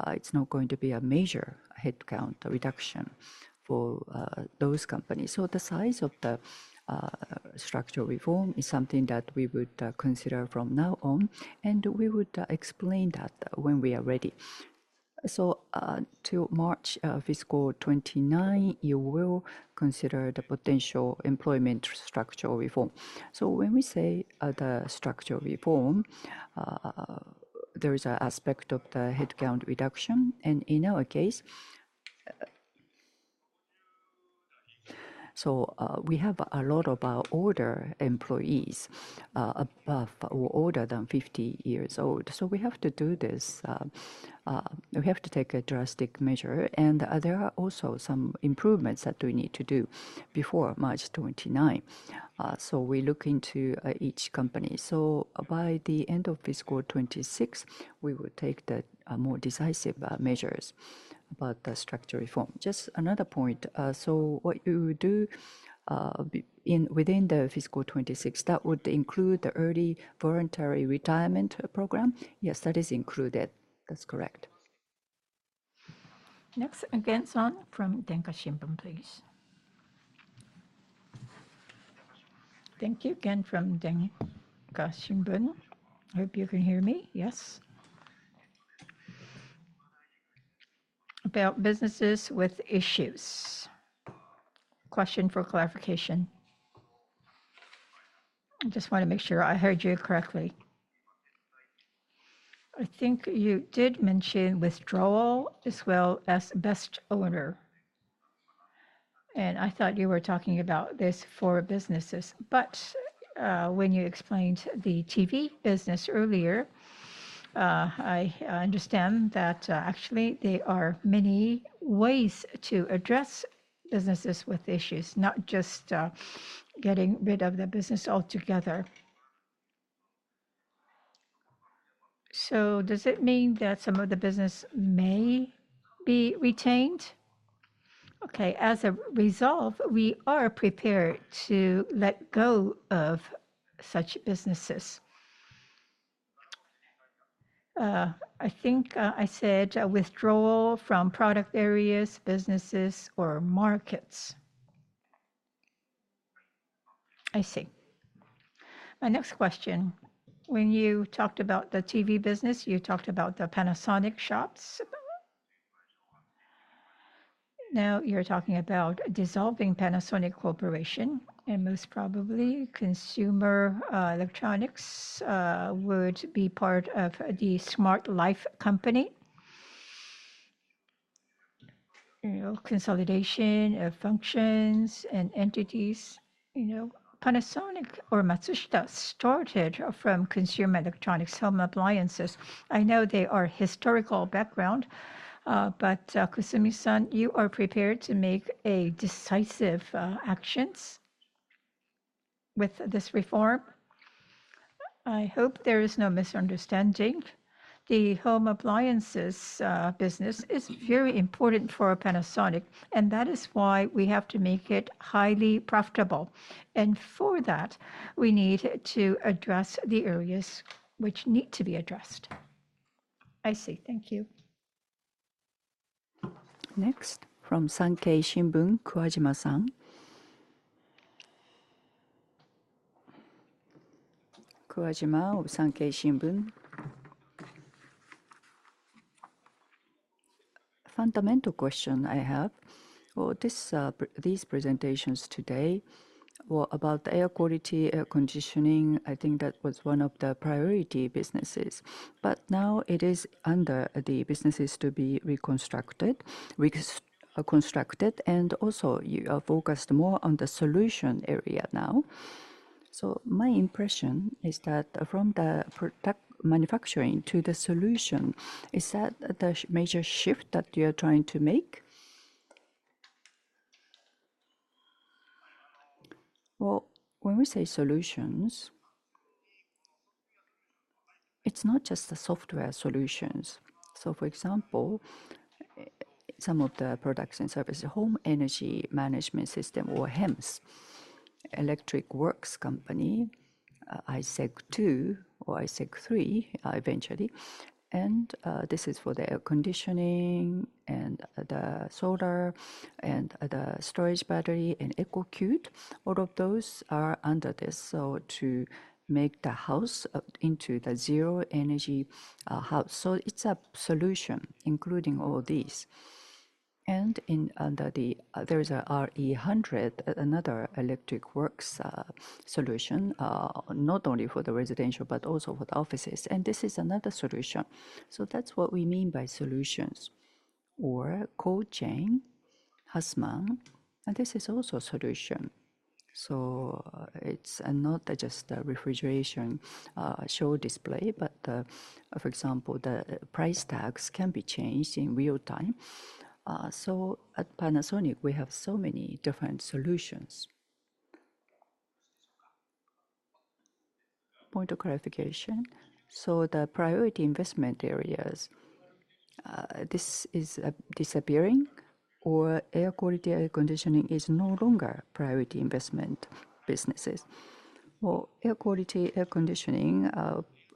it's not going to be a major headcount reduction for those companies. So the size of the structural reform is something that we would consider from now on, and we would explain that when we are ready. So till March fiscal 2029, you will consider the potential employment structural reform. So when we say the structural reform, there is an aspect of the headcount reduction. And in our case, so we have a lot of our older employees, above or older than 50 years old. So we have to do this. We have to take a drastic measure. And there are also some improvements that we need to do before March 2029. So we look into each company. So by the end of fiscal 2026, we will take the more decisive measures about the structural reform. Just another point. So what you do within the fiscal 2026, that would include the early voluntary retirement program? Yes, that is included. That's correct.
Next, Egami-san from Dempa Shimbun, please. Thank you, Egami-san from Dempa Shimbun. I hope you can hear me. Yes. About businesses with issues. Question for clarification. I just want to make sure I heard you correctly. I think you did mention withdrawal as well as best owner. And I thought you were talking about this for businesses. But when you explained the TV business earlier, I understand that actually there are many ways to address businesses with issues, not just getting rid of the business altogether. So does it mean that some of the business may be retained?
Okay. As a result, we are prepared to let go of such businesses. I think I said withdrawal from product areas, businesses, or markets. I see. My next question. When you talked about the TV business, you talked about the Panasonic shops. Now you're talking about dissolving Panasonic Corporation. And most probably, Consumer Electronics would be part of the Smart Life Company. Consolidation of functions and entities. Panasonic or Matsushita started from Consumer Electronics Home Appliances. I know they are historical background. But Kusumi-san, you are prepared to make decisive actions with this reform? I hope there is no misunderstanding. The home appliances business is very important for Panasonic, and that is why we have to make it highly profitable. And for that, we need to address the areas which need to be addressed. I see.
Thank you. Next, from Sankei Shimbun, Kuwajima-san. Kuwajima of Sankei Shimbun. Fundamental question I have. These presentations today were about Air Quality, Air Conditioning. I think that was one of the priority businesses. But now it is under the businesses to be reconstructed. And also, you are focused more on the solution area now. So my impression is that from the manufacturing to the solution, is that the major shift that you're trying to make?
Well, when we say solutions, it's not just the software solutions. So for example, some of the products and services, home Energy management system or HEMS, Electric Works Company, AiSEG2 or AiSEG3 eventually. And this is for the air conditioning and the solar and the storage battery and EcoCute. All of those are under this. So to make the house into the zero Energy house. So it's a solution, including all these. And under the, there's an RE100, another Electric Works solution, not only for the residential, but also for the offices. And this is another solution. So that's what we mean by solutions. Or cold chain, Hussmann. And this is also a solution. It's not just a refrigeration show display, but for example, the price tags can be changed in real time. So at Panasonic, we have so many different solutions. Point of clarification. So the priority investment areas, this is disappearing? Or Air Quality, Air Conditioning is no longer priority investment businesses? Well, Air Quality, Air Conditioning,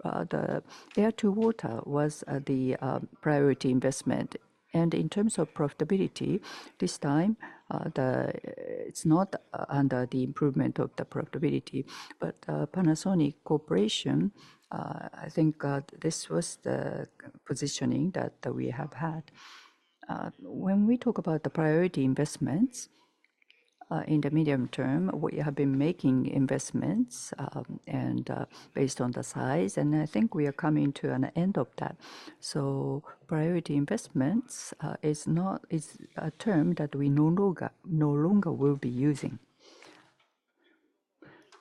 the Air-to-Water was the priority investment. And in terms of profitability, this time, it's not under the improvement of the profitability. But Panasonic Corporation, I think this was the positioning that we have had. When we talk about the priority investments, in the medium term, we have been making investments based on the size. And I think we are coming to an end of that. So priority investments is a term that we no longer will be using.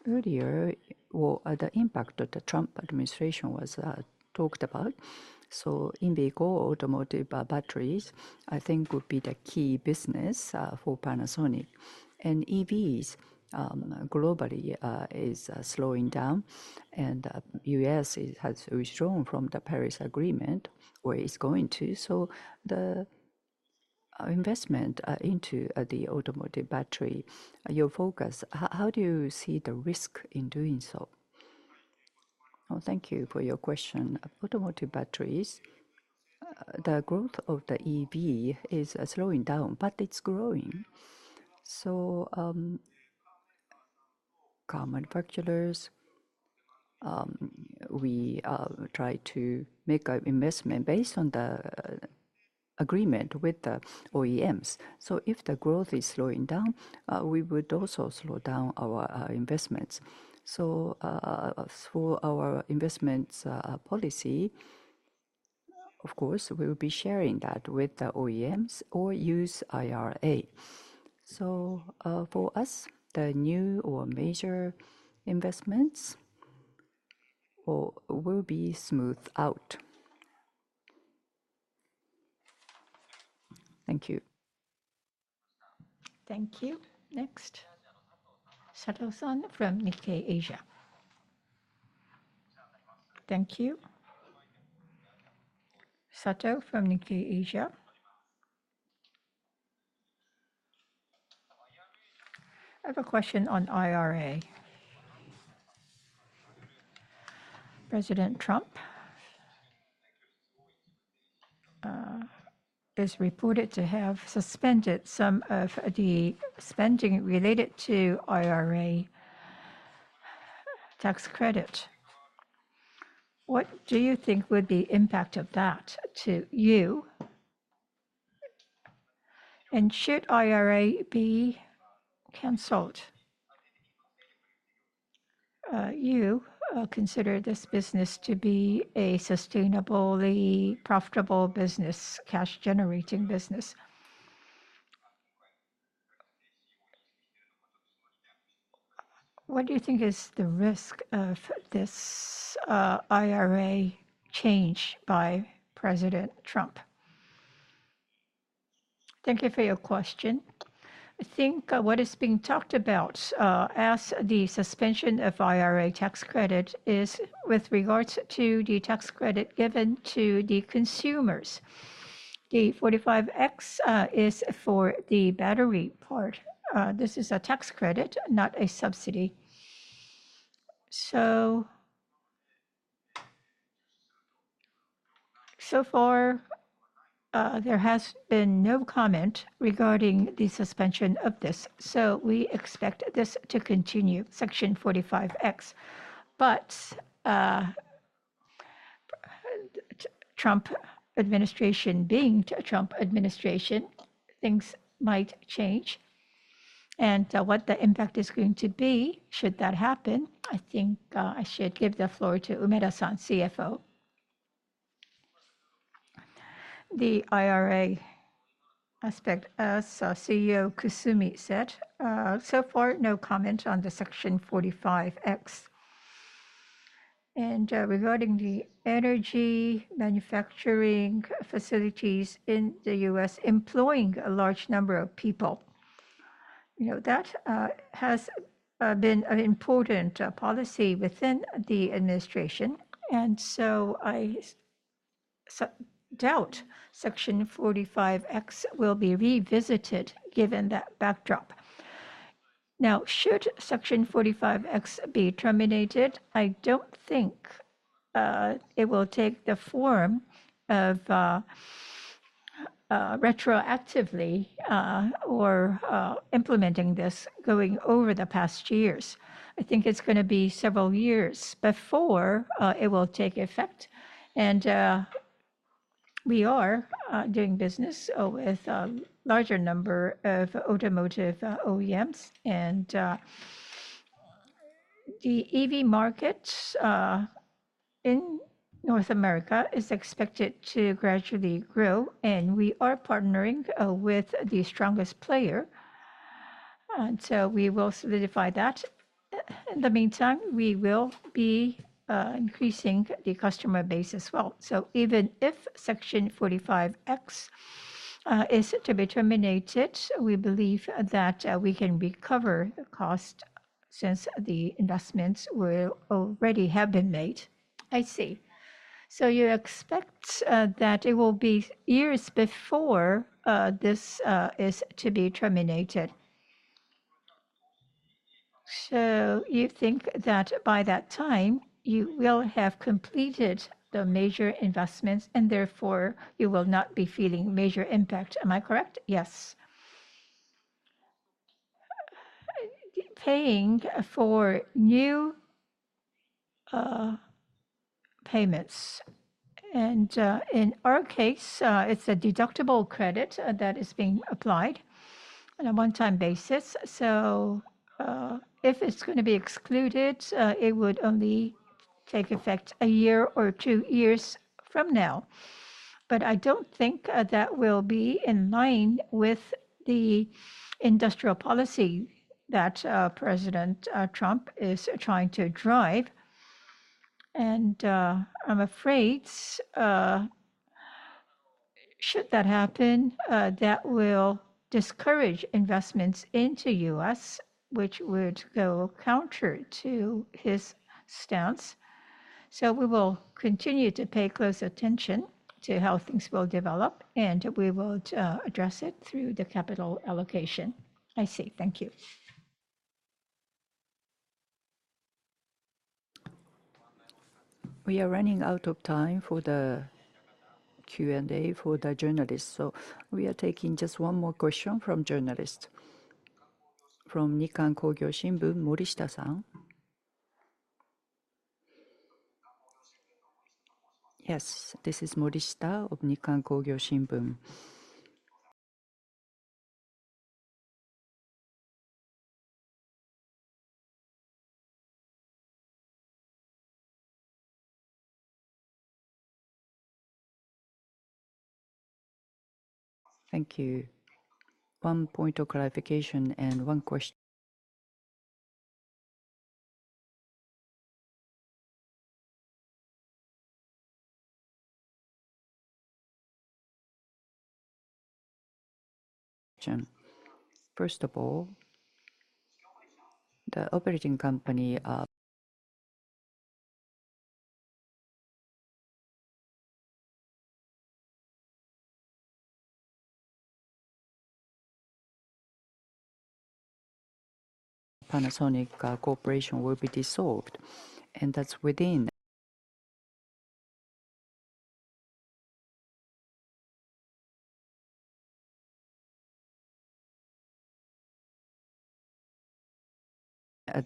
Earlier, well, the impact of the Trump administration was talked about. So in vehicle Automotive batteries, I think would be the key business for Panasonic. And EVs globally is slowing down. And the U.S. has withdrawn from the Paris Agreement where it's going to. So the investment into the Automotive battery, your focus, how do you see the risk in doing so? Well, thank you for your question. Automotive batteries, the growth of the EV is slowing down, but it's growing. So car manufacturers, we try to make an investment based on the agreement with the OEMs. So if the growth is slowing down, we would also slow down our investments. So for our investments policy, of course, we will be sharing that with the OEMs or use IRA. So for us, the new or major investments will be smoothed out. Thank you.
Thank you. Next, Sato-san from Nikkei Asia. Thank you. Sato from Nikkei Asia. I have a question on IRA. President Trump is reported to have suspended some of the spending related to IRA tax credit. What do you think would be the impact of that to you? And should IRA be canceled? You consider this business to be a sustainably profitable business, cash-generating business. What do you think is the risk of this IRA change by President Trump?
Thank you for your question. I think what is being talked about as the suspension of IRA tax credit is with regards to the tax credit given to the consumers. The 45X is for the battery part. This is a tax credit, not a subsidy. So far, there has been no comment regarding the suspension of this. So we expect this to continue, Section 45X. But Trump administration being Trump administration, things might change. And what the impact is going to be should that happen, I think I should give the floor to Umeda-san, CFO.
The IRA aspect, as CEO Kusumi said, so far, no comment on the Section 45X. And regarding the Energy manufacturing facilities in the U.S. employing a large number of people, that has been an important policy within the administration. And so I doubt Section 45X will be revisited given that backdrop. Now, should Section 45X be terminated? I don't think it will take the form of retroactively or implementing this going over the past years. I think it's going to be several years before it will take effect. And we are doing business with a larger number of Automotive OEMs. And the EV market in North America is expected to gradually grow. And we are partnering with the strongest player. And so we will solidify that. In the meantime, we will be increasing the customer base as well. So even if Section 45X is to be terminated, we believe that we can recover costs since the investments will already have been made. I see. So you expect that it will be years before this is to be terminated. So you think that by that time, you will have completed the major investments, and therefore, you will not be feeling major impact. Am I correct?
Yes. Paying for new payments. And in our case, it's a deductible credit that is being applied on a one-time basis. So if it's going to be excluded, it would only take effect a year or two years from now. But I don't think that will be in line with the industrial policy that President Trump is trying to drive. And I'm afraid, should that happen, that will discourage investments into the U.S., which would go counter to his stance. So we will continue to pay close attention to how things will develop, and we will address it through the capital allocation. I see. Thank you.
We are running out of time for the Q&A for the journalists. So we are taking just one more question from journalists from Nikkan Kogyo Shimbun, Morishita-san. Yes, this is Morishita of Nikkan Kogyo Shimbun. Thank you. One point of clarification and one question. First of all, the operating company Panasonic Corporation will be dissolved. And that's within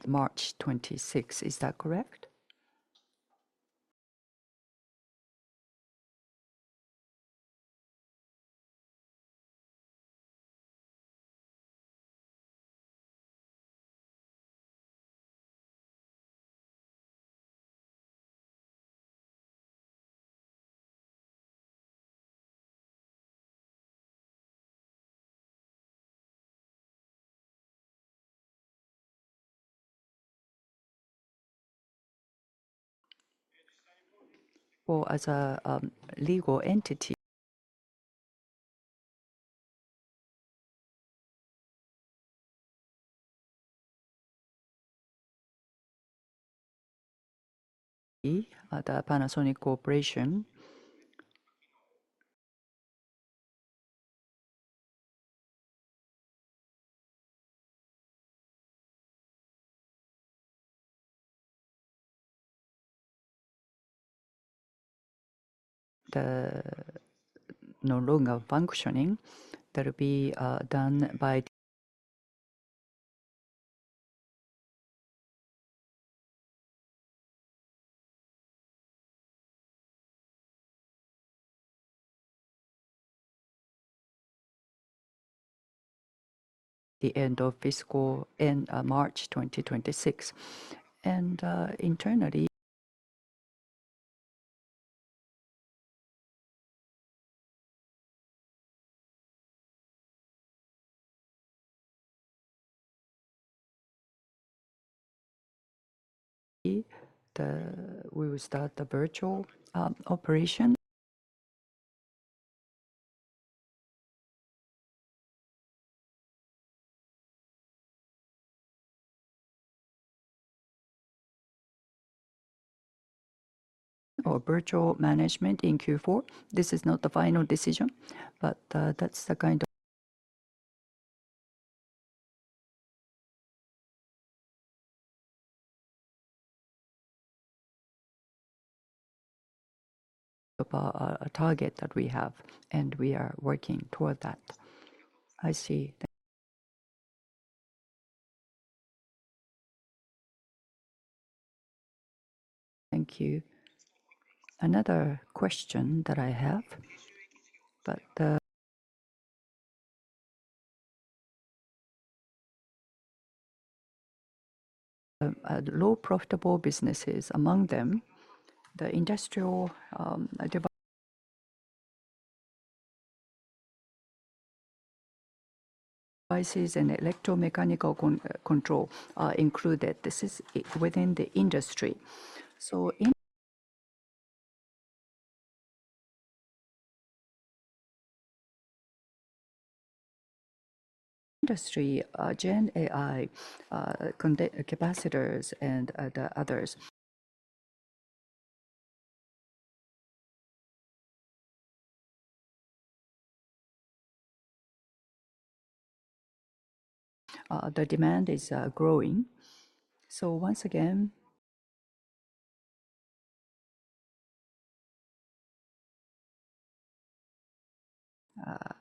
March 2026. Is that correct?
Well, as a legal entity, the Panasonic Corporation no longer functioning. That will be done by the end of fiscal end March 2026. And internally, we will start the virtual operation or virtual management in Q4. This is not the final decision, but that's the kind of target that we have, and we are working toward that. I see. Thank you. Another question that I have, but low profitable businesses, among them, the Industrial Devices and Electromechanical Control are included. This is within the industry. Industry, Gen AI, capacitors, and the others. The demand is growing. Once again,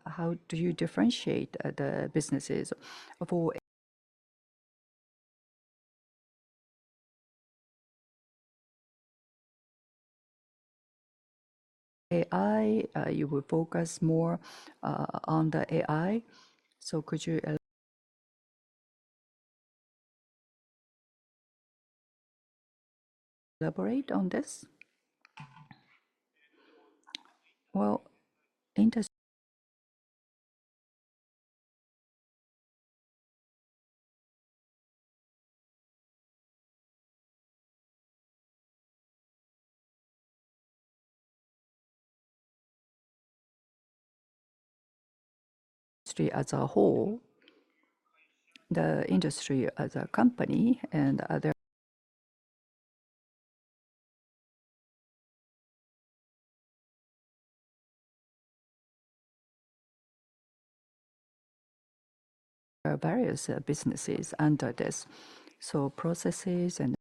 how do you differentiate the businesses? For AI, you will focus more on the AI. Could you elaborate on this? Industry as a whole, the Industry as a company, and there are various businesses under this. Processes and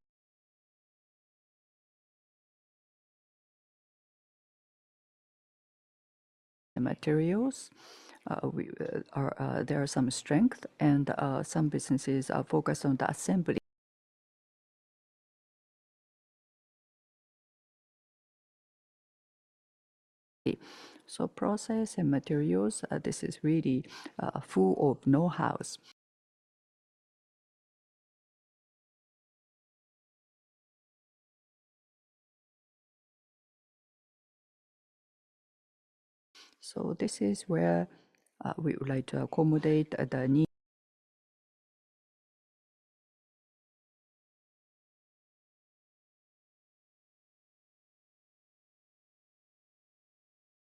materials, there are some strengths, and some businesses are focused on the assembly. Process and materials, this is really full of know-hows. This is where we would like to accommodate the needs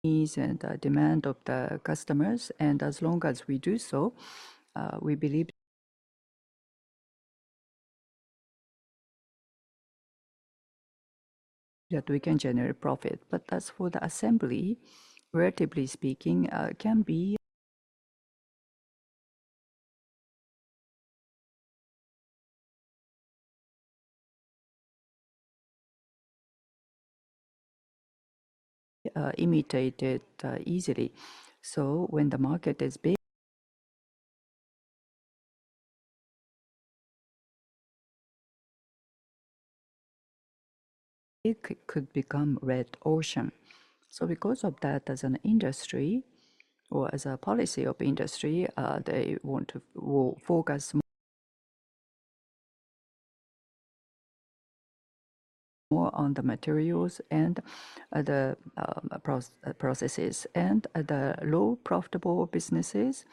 and the demand of the customers. And as long as we do so, we believe that we can generate profit. But as for the assembly, relatively speaking, can be imitated easily. So when the market is big, it could become a red ocean. So because of that, as an Industry or as a policy of Industry, they will focus more on the materials and the processes. And the low profitable businesses,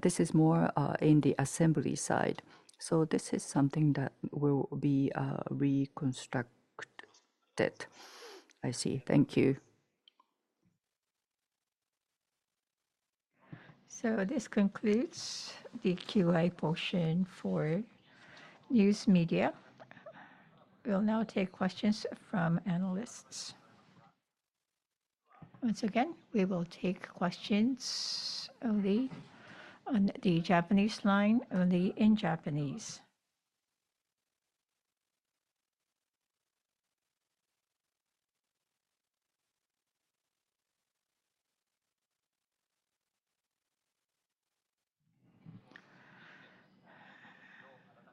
this is more in the assembly side. So this is something that will be reconstructed. I see. Thank you.
So this concludes the Q&A portion for news media. We'll now take questions from analysts. Once again, we will take questions only on the Japanese line, only in Japanese.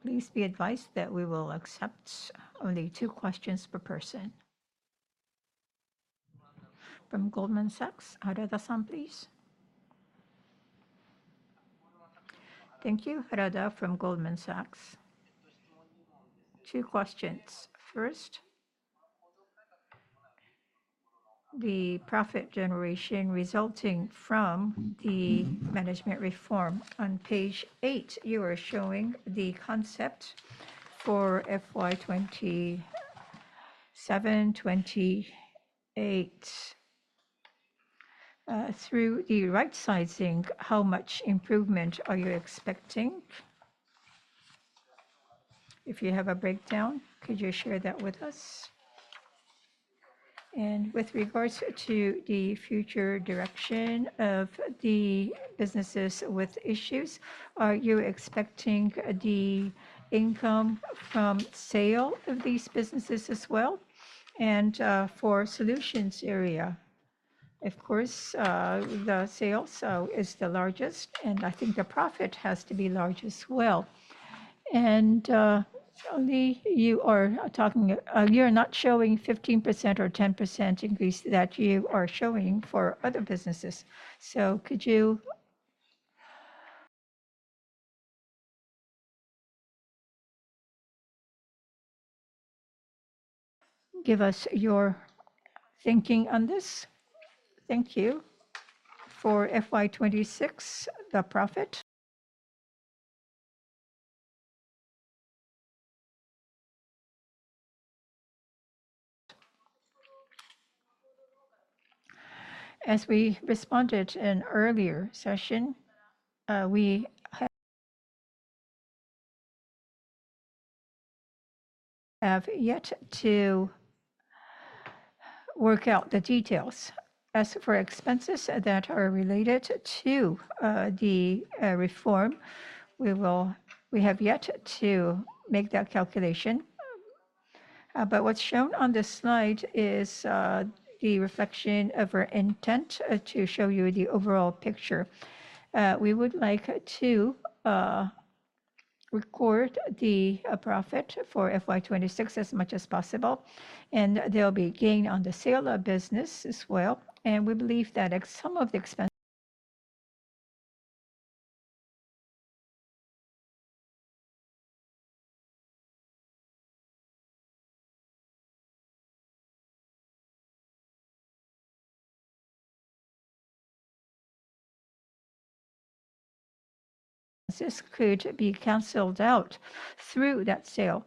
Please be advised that we will accept only two questions per person. From Goldman Sachs, Harada-san, please.
Thank you, Harada from Goldman Sachs. Two questions. First, the profit generation resulting from the management reform. On page 8, you are showing the concept for FY 2027-2028. Through the right-sizing, how much improvement are you expecting? If you have a breakdown, could you share that with us? And with regards to the future direction of the businesses with issues, are you expecting the income from sale of these businesses as well? And for solutions area, of course, the sales is the largest, and I think the profit has to be large as well. And you are talking you're not showing 15% or 10% increase that you are showing for other businesses. So could you give us your thinking on this?
Thank you. For FY 2026, the profit. As we responded in an earlier session, we have yet to work out the details. As for expenses that are related to the reform, we have yet to make that calculation. What's shown on this slide is the reflection of our intent to show you the overall picture. We would like to record the profit for FY 2026 as much as possible. There will be gain on the sale of business as well. We believe that some of the expenses could be canceled out through that sale.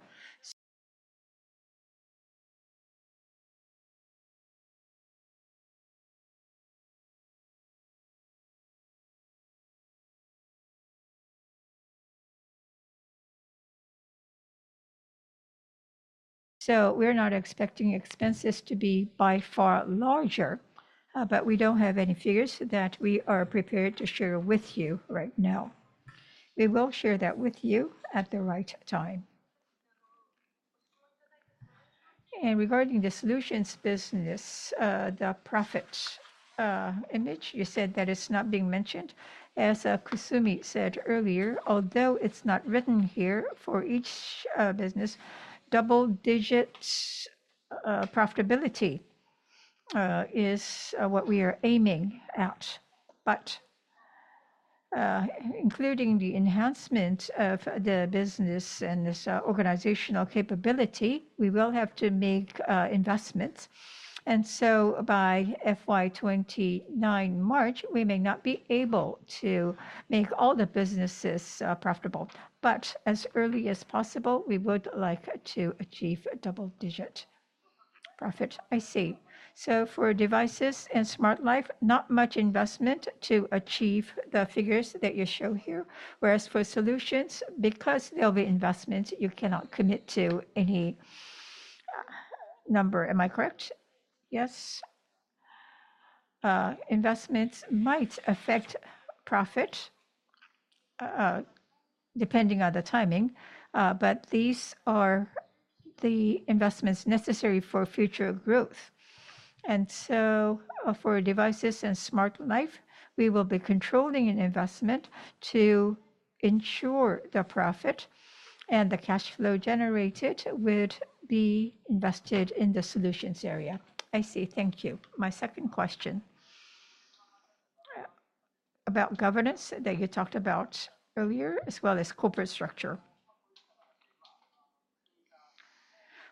We're not expecting expenses to be by far larger, but we don't have any figures that we are prepared to share with you right now. We will share that with you at the right time. Regarding the solutions business, the profit image, you said that it's not being mentioned. As Kusumi said earlier, although it's not written here, for each business, double-digit profitability is what we are aiming at. Including the enhancement of the business and this organizational capability, we will have to make investments. By FY 29 March, we may not be able to make all the businesses profitable. As early as possible, we would like to achieve double-digit profit.
I see. For devices and smart life, not much investment to achieve the figures that you show here. Whereas for solutions, because there will be investments, you cannot commit to any number. Am I correct?
Yes. Investments might affect profit depending on the timing, but these are the investments necessary for future growth. For devices and smart life, we will be controlling an investment to ensure the profit and the cash flow generated would be invested in the solutions area.
I see. Thank you. My second question about governance that you talked about earlier, as well as corporate structure.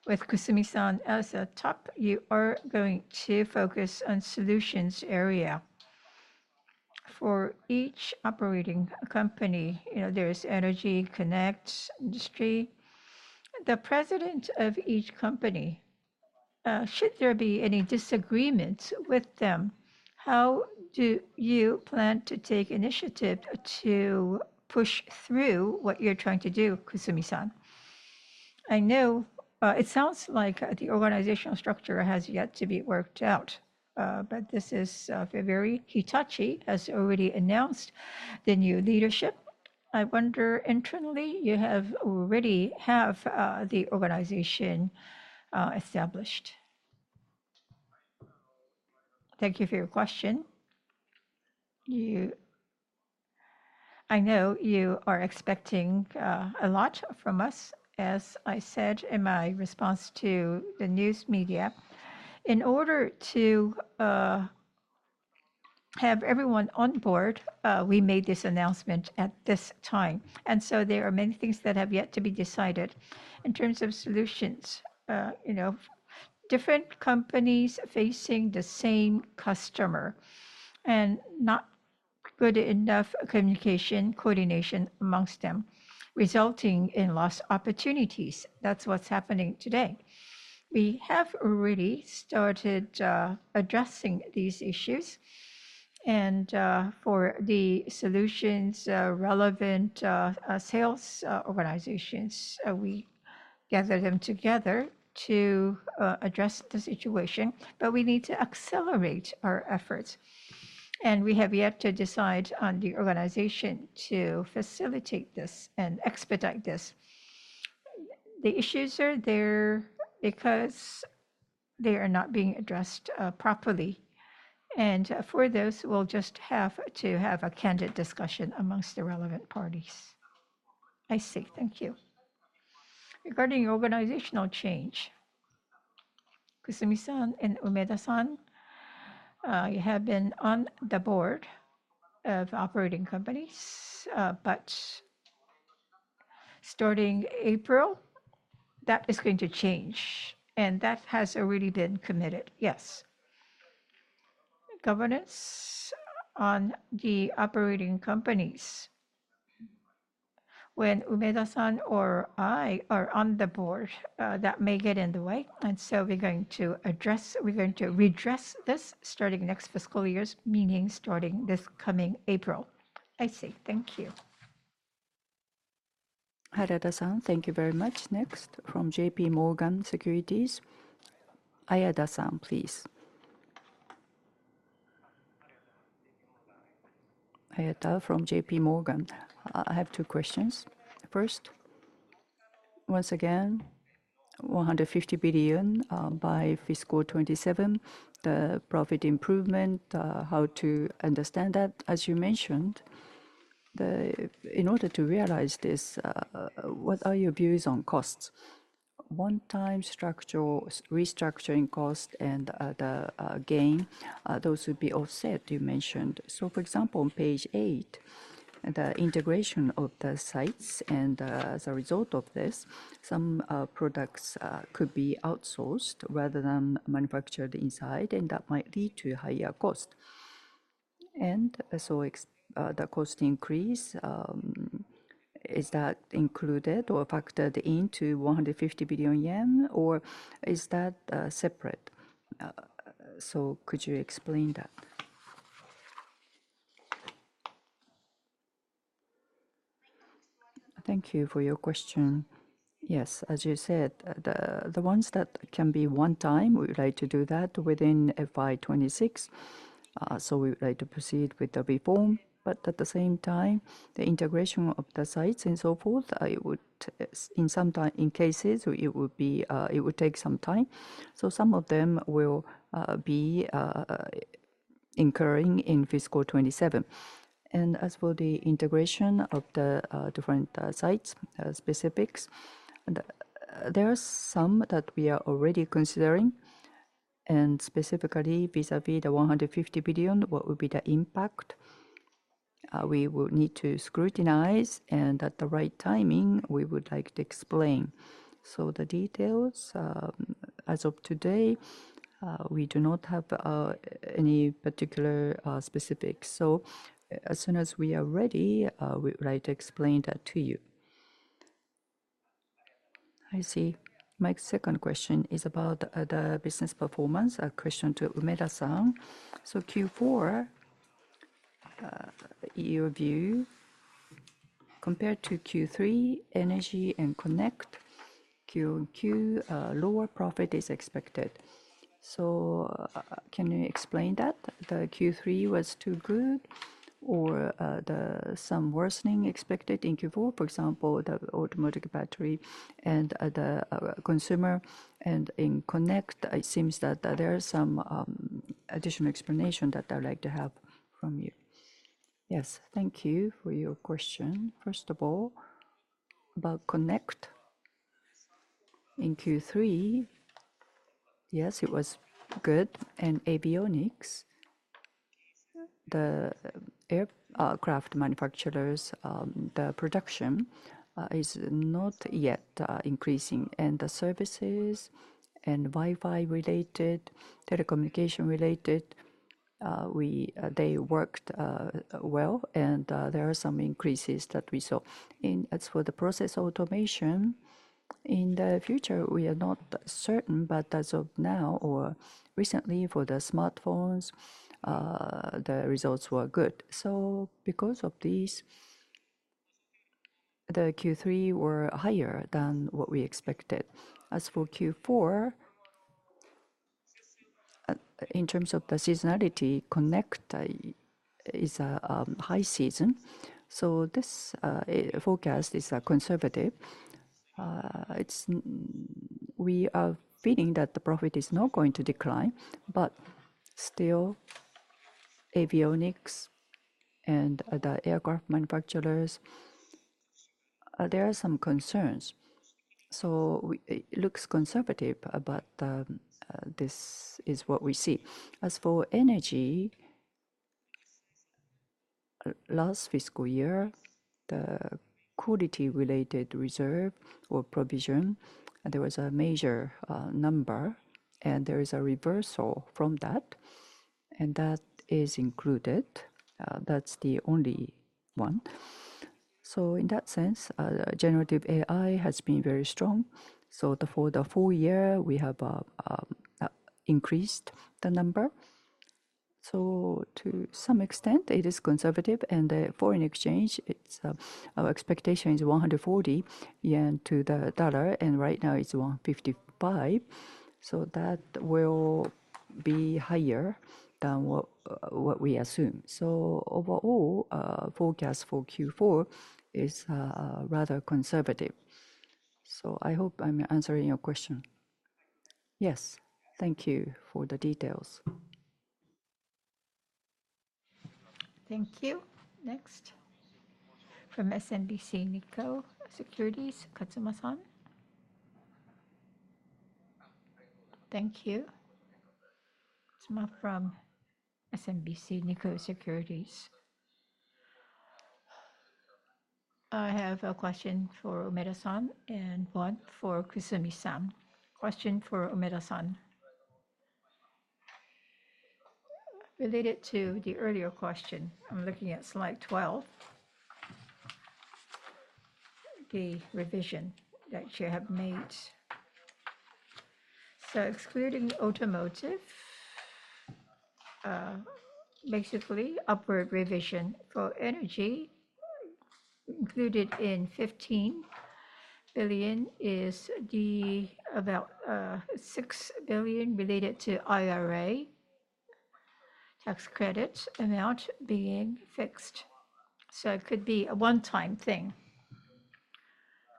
With Kusumi-san as a top, you are going to focus on solutions area. For each operating company, there is Energy, Connect, Industry. The president of each company, should there be any disagreements with them, how do you plan to take initiative to push through what you're trying to do, Kusumi-san? I know it sounds like the organizational structure has yet to be worked out, but this is very Hitachi has already announced the new leadership. I wonder internally, you already have the organization established.
Thank you for your question. I know you are expecting a lot from us, as I said in my response to the news media. In order to have everyone on board, we made this announcement at this time, and so there are many things that have yet to be decided. In terms of solutions, different companies facing the same customer and not good enough communication coordination amongst them, resulting in lost opportunities. That's what's happening today. We have already started addressing these issues, and for the solutions relevant sales organizations, we gather them together to address the situation, but we need to accelerate our efforts, and we have yet to decide on the organization to facilitate this and expedite this. The issues are there because they are not being addressed properly, and for those, we'll just have to have a candid discussion amongst the relevant parties.
I see. Thank you.
Regarding organizational change, Kusumi-san and Umeda-san, you have been on the board of operating companies, but starting April, that is going to change, and that has already been committed. Yes. Governance on the operating companies. When Umeda-san or I are on the board, that may get in the way, and so we're going to redress this starting next fiscal year, meaning starting this coming April.
I see. Thank you.
Harada-san, thank you very much. Next, from J.P. Morgan Securities, Ayada-san, please.
Ayada from J.P. Morgan. I have two questions. First, once again, 150 billion by fiscal 27, the profit improvement, how to understand that? As you mentioned, in order to realize this, what are your views on costs? One-time restructuring cost and the gain, those would be offset, you mentioned. So for example, on page 8, the integration of the sites, and as a result of this, some products could be outsourced rather than manufactured inside, and that might lead to higher cost. And so the cost increase, is that included or factored into 150 billion yen, or is that separate? So could you explain that?
Thank you for your question. Yes, as you said, the ones that can be one-time, we would like to do that within FY 26. So we would like to proceed with the reform. But at the same time, the integration of the sites and so forth, in some cases, it would take some time. So some of them will be incurring in fiscal 27. And as for the integration of the different sites specifics, there are some that we are already considering. And specifically, vis-à-vis the 150 billion, what would be the impact? We will need to scrutinize, and at the right timing, we would like to explain. So the details, as of today, we do not have any particular specifics. So as soon as we are ready, we would like to explain that to you.
I see. My second question is about the business performance, a question to Umeda-san. So Q4, your view, compared to Q3, Energy and Connect, QoQ, lower profit is expected. So can you explain that? The Q3 was too good, or some worsening expected in Q4? For example, the Automotive battery and the consumer, and in Connect, it seems that there is some additional explanation that I'd like to have from you.
Yes, thank you for your question. First of all, about Connect in Q3, yes, it was good, and Avionics, the aircraft manufacturers, the production is not yet increasing, and the services and Wi-Fi related, telecommunication related, they worked well, and there are some increases that we saw, and as for the Process Automation, in the future, we are not certain, but as of now or recently for the smartphones, the results were good, so because of these, the Q3 were higher than what we expected. As for Q4, in terms of the seasonality, Connect is a high season, so this forecast is conservative. We are feeling that the profit is not going to decline. But still, Avionics and the aircraft manufacturers, there are some concerns. So it looks conservative, but this is what we see. As for Energy, last fiscal year, the quality-related reserve or provision, there was a major number, and there is a reversal from that. And that is included. That's the only one. So in that sense, generative AI has been very strong. So for the full year, we have increased the number. So to some extent, it is conservative. And foreign exchange, our expectation is 140 yen to the dollar. And right now, it's 155. So that will be higher than what we assume. So overall, forecast for Q4 is rather conservative. So I hope I'm answering your question.
Yes. Thank you for the details.
Thank you. Next, from SMBC Nikko Securities, Katsura-san. Thank you. It's more from SMBC Nikko Securities. I have a question for Umeda-san and one for Kusumi-san. Question for Umeda-san. Related to the earlier question, I'm looking at slide 12, the revision that you have made. So excluding Automotive, basically, upward revision for Energy included in 15 billion is about 6 billion related to IRA tax credit amount being fixed. So it could be a one-time thing,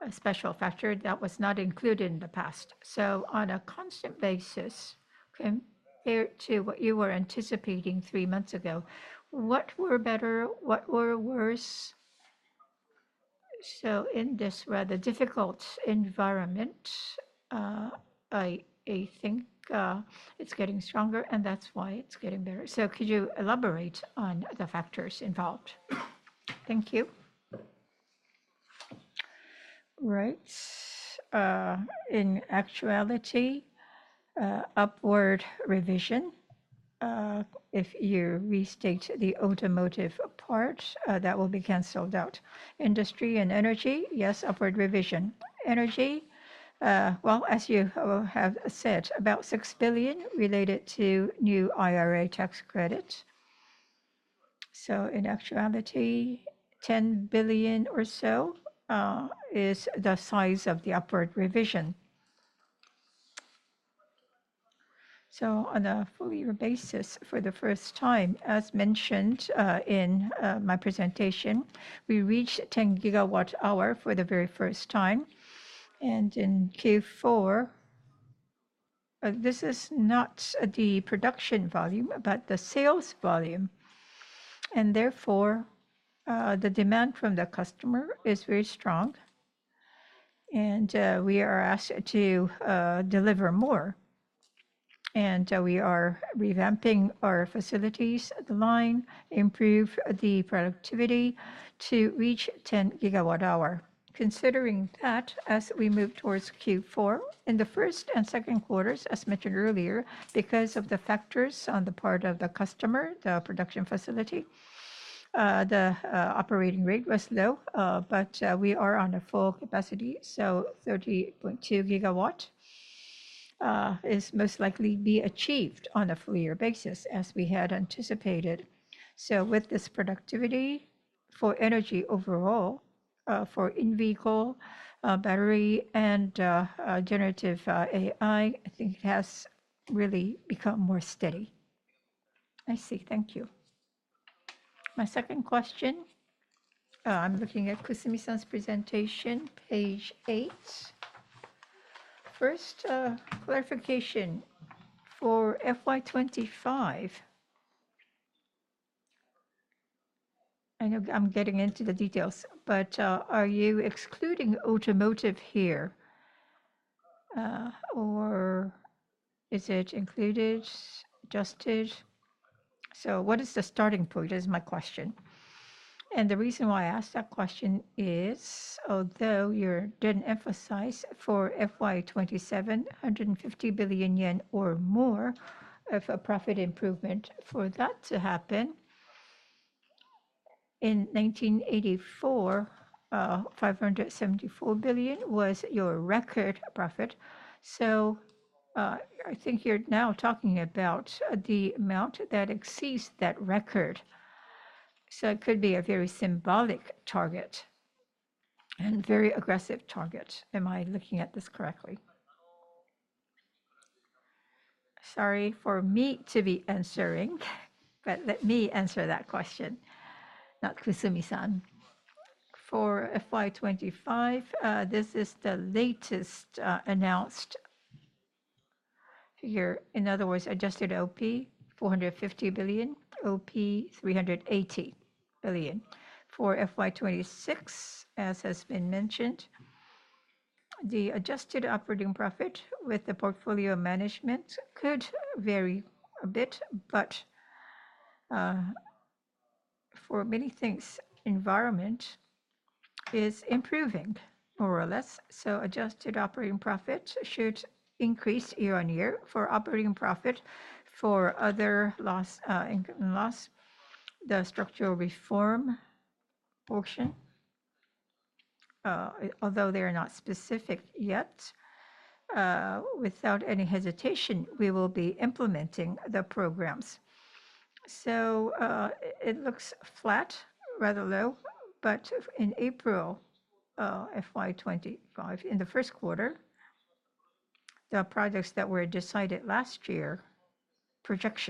a special factor that was not included in the past. So on a constant basis, compared to what you were anticipating three months ago, what were better, what were worse? So in this rather difficult environment, I think it's getting stronger, and that's why it's getting better. So could you elaborate on the factors involved? Thank you.
Right. In actuality, upward revision. If you restate the Automotive part, that will be canceled out. Industry and Energy, yes, upward revision. Energy. Well, as you have said, about 6 billion related to new IRA tax credit. So in actuality, 10 billion or so is the size of the upward revision. So on a full-year basis, for the first time, as mentioned in my presentation, we reached 10 gigawatt-hour for the very first time. And in Q4, this is not the production volume, but the sales volume. And therefore, the demand from the customer is very strong. And we are asked to deliver more. And we are revamping our facilities, the line, improve the productivity to reach 10 gigawatt-hour. Considering that, as we move towards Q4, in the first and second quarters, as mentioned earlier, because of the factors on the part of the customer, the production facility, the operating rate was low. But we are on a full capacity. 30.2 GWh is most likely to be achieved on a full-year basis, as we had anticipated. With this productivity for Energy overall, for in-vehicle battery and generative AI, I think it has really become more steady. I see. Thank you. My second question, I'm looking at Kusumi-san's presentation, page 8. First clarification for FY 25. I know I'm getting into the details, but are you excluding Automotive here, or is it included, adjusted? So what is the starting point? That is my question. The reason why I asked that question is, although you didn't emphasize for FY 27, 150 billion yen or more of a profit improvement for that to happen. In 1984, 574 billion was your record profit. So I think you're now talking about the amount that exceeds that record. So it could be a very symbolic target and very aggressive target. Am I looking at this correctly? Sorry for me to be answering, but let me answer that question, not Kusumi-san. For FY 2025, this is the latest announced figure. In other words, adjusted OP, 450 billion, OP, 380 billion. For FY 2026, as has been mentioned, the adjusted operating profit with the portfolio management could vary a bit, but for many things, the environment is improving, more or less. So adjusted operating profit should increase year on year. For operating profit, for other income and loss, the structural reform portion, although they are not specific yet, without any hesitation, we will be implementing the programs. So it looks flat, rather low. But in April, FY 2025, in the first quarter, the projects that were decided last year, projections.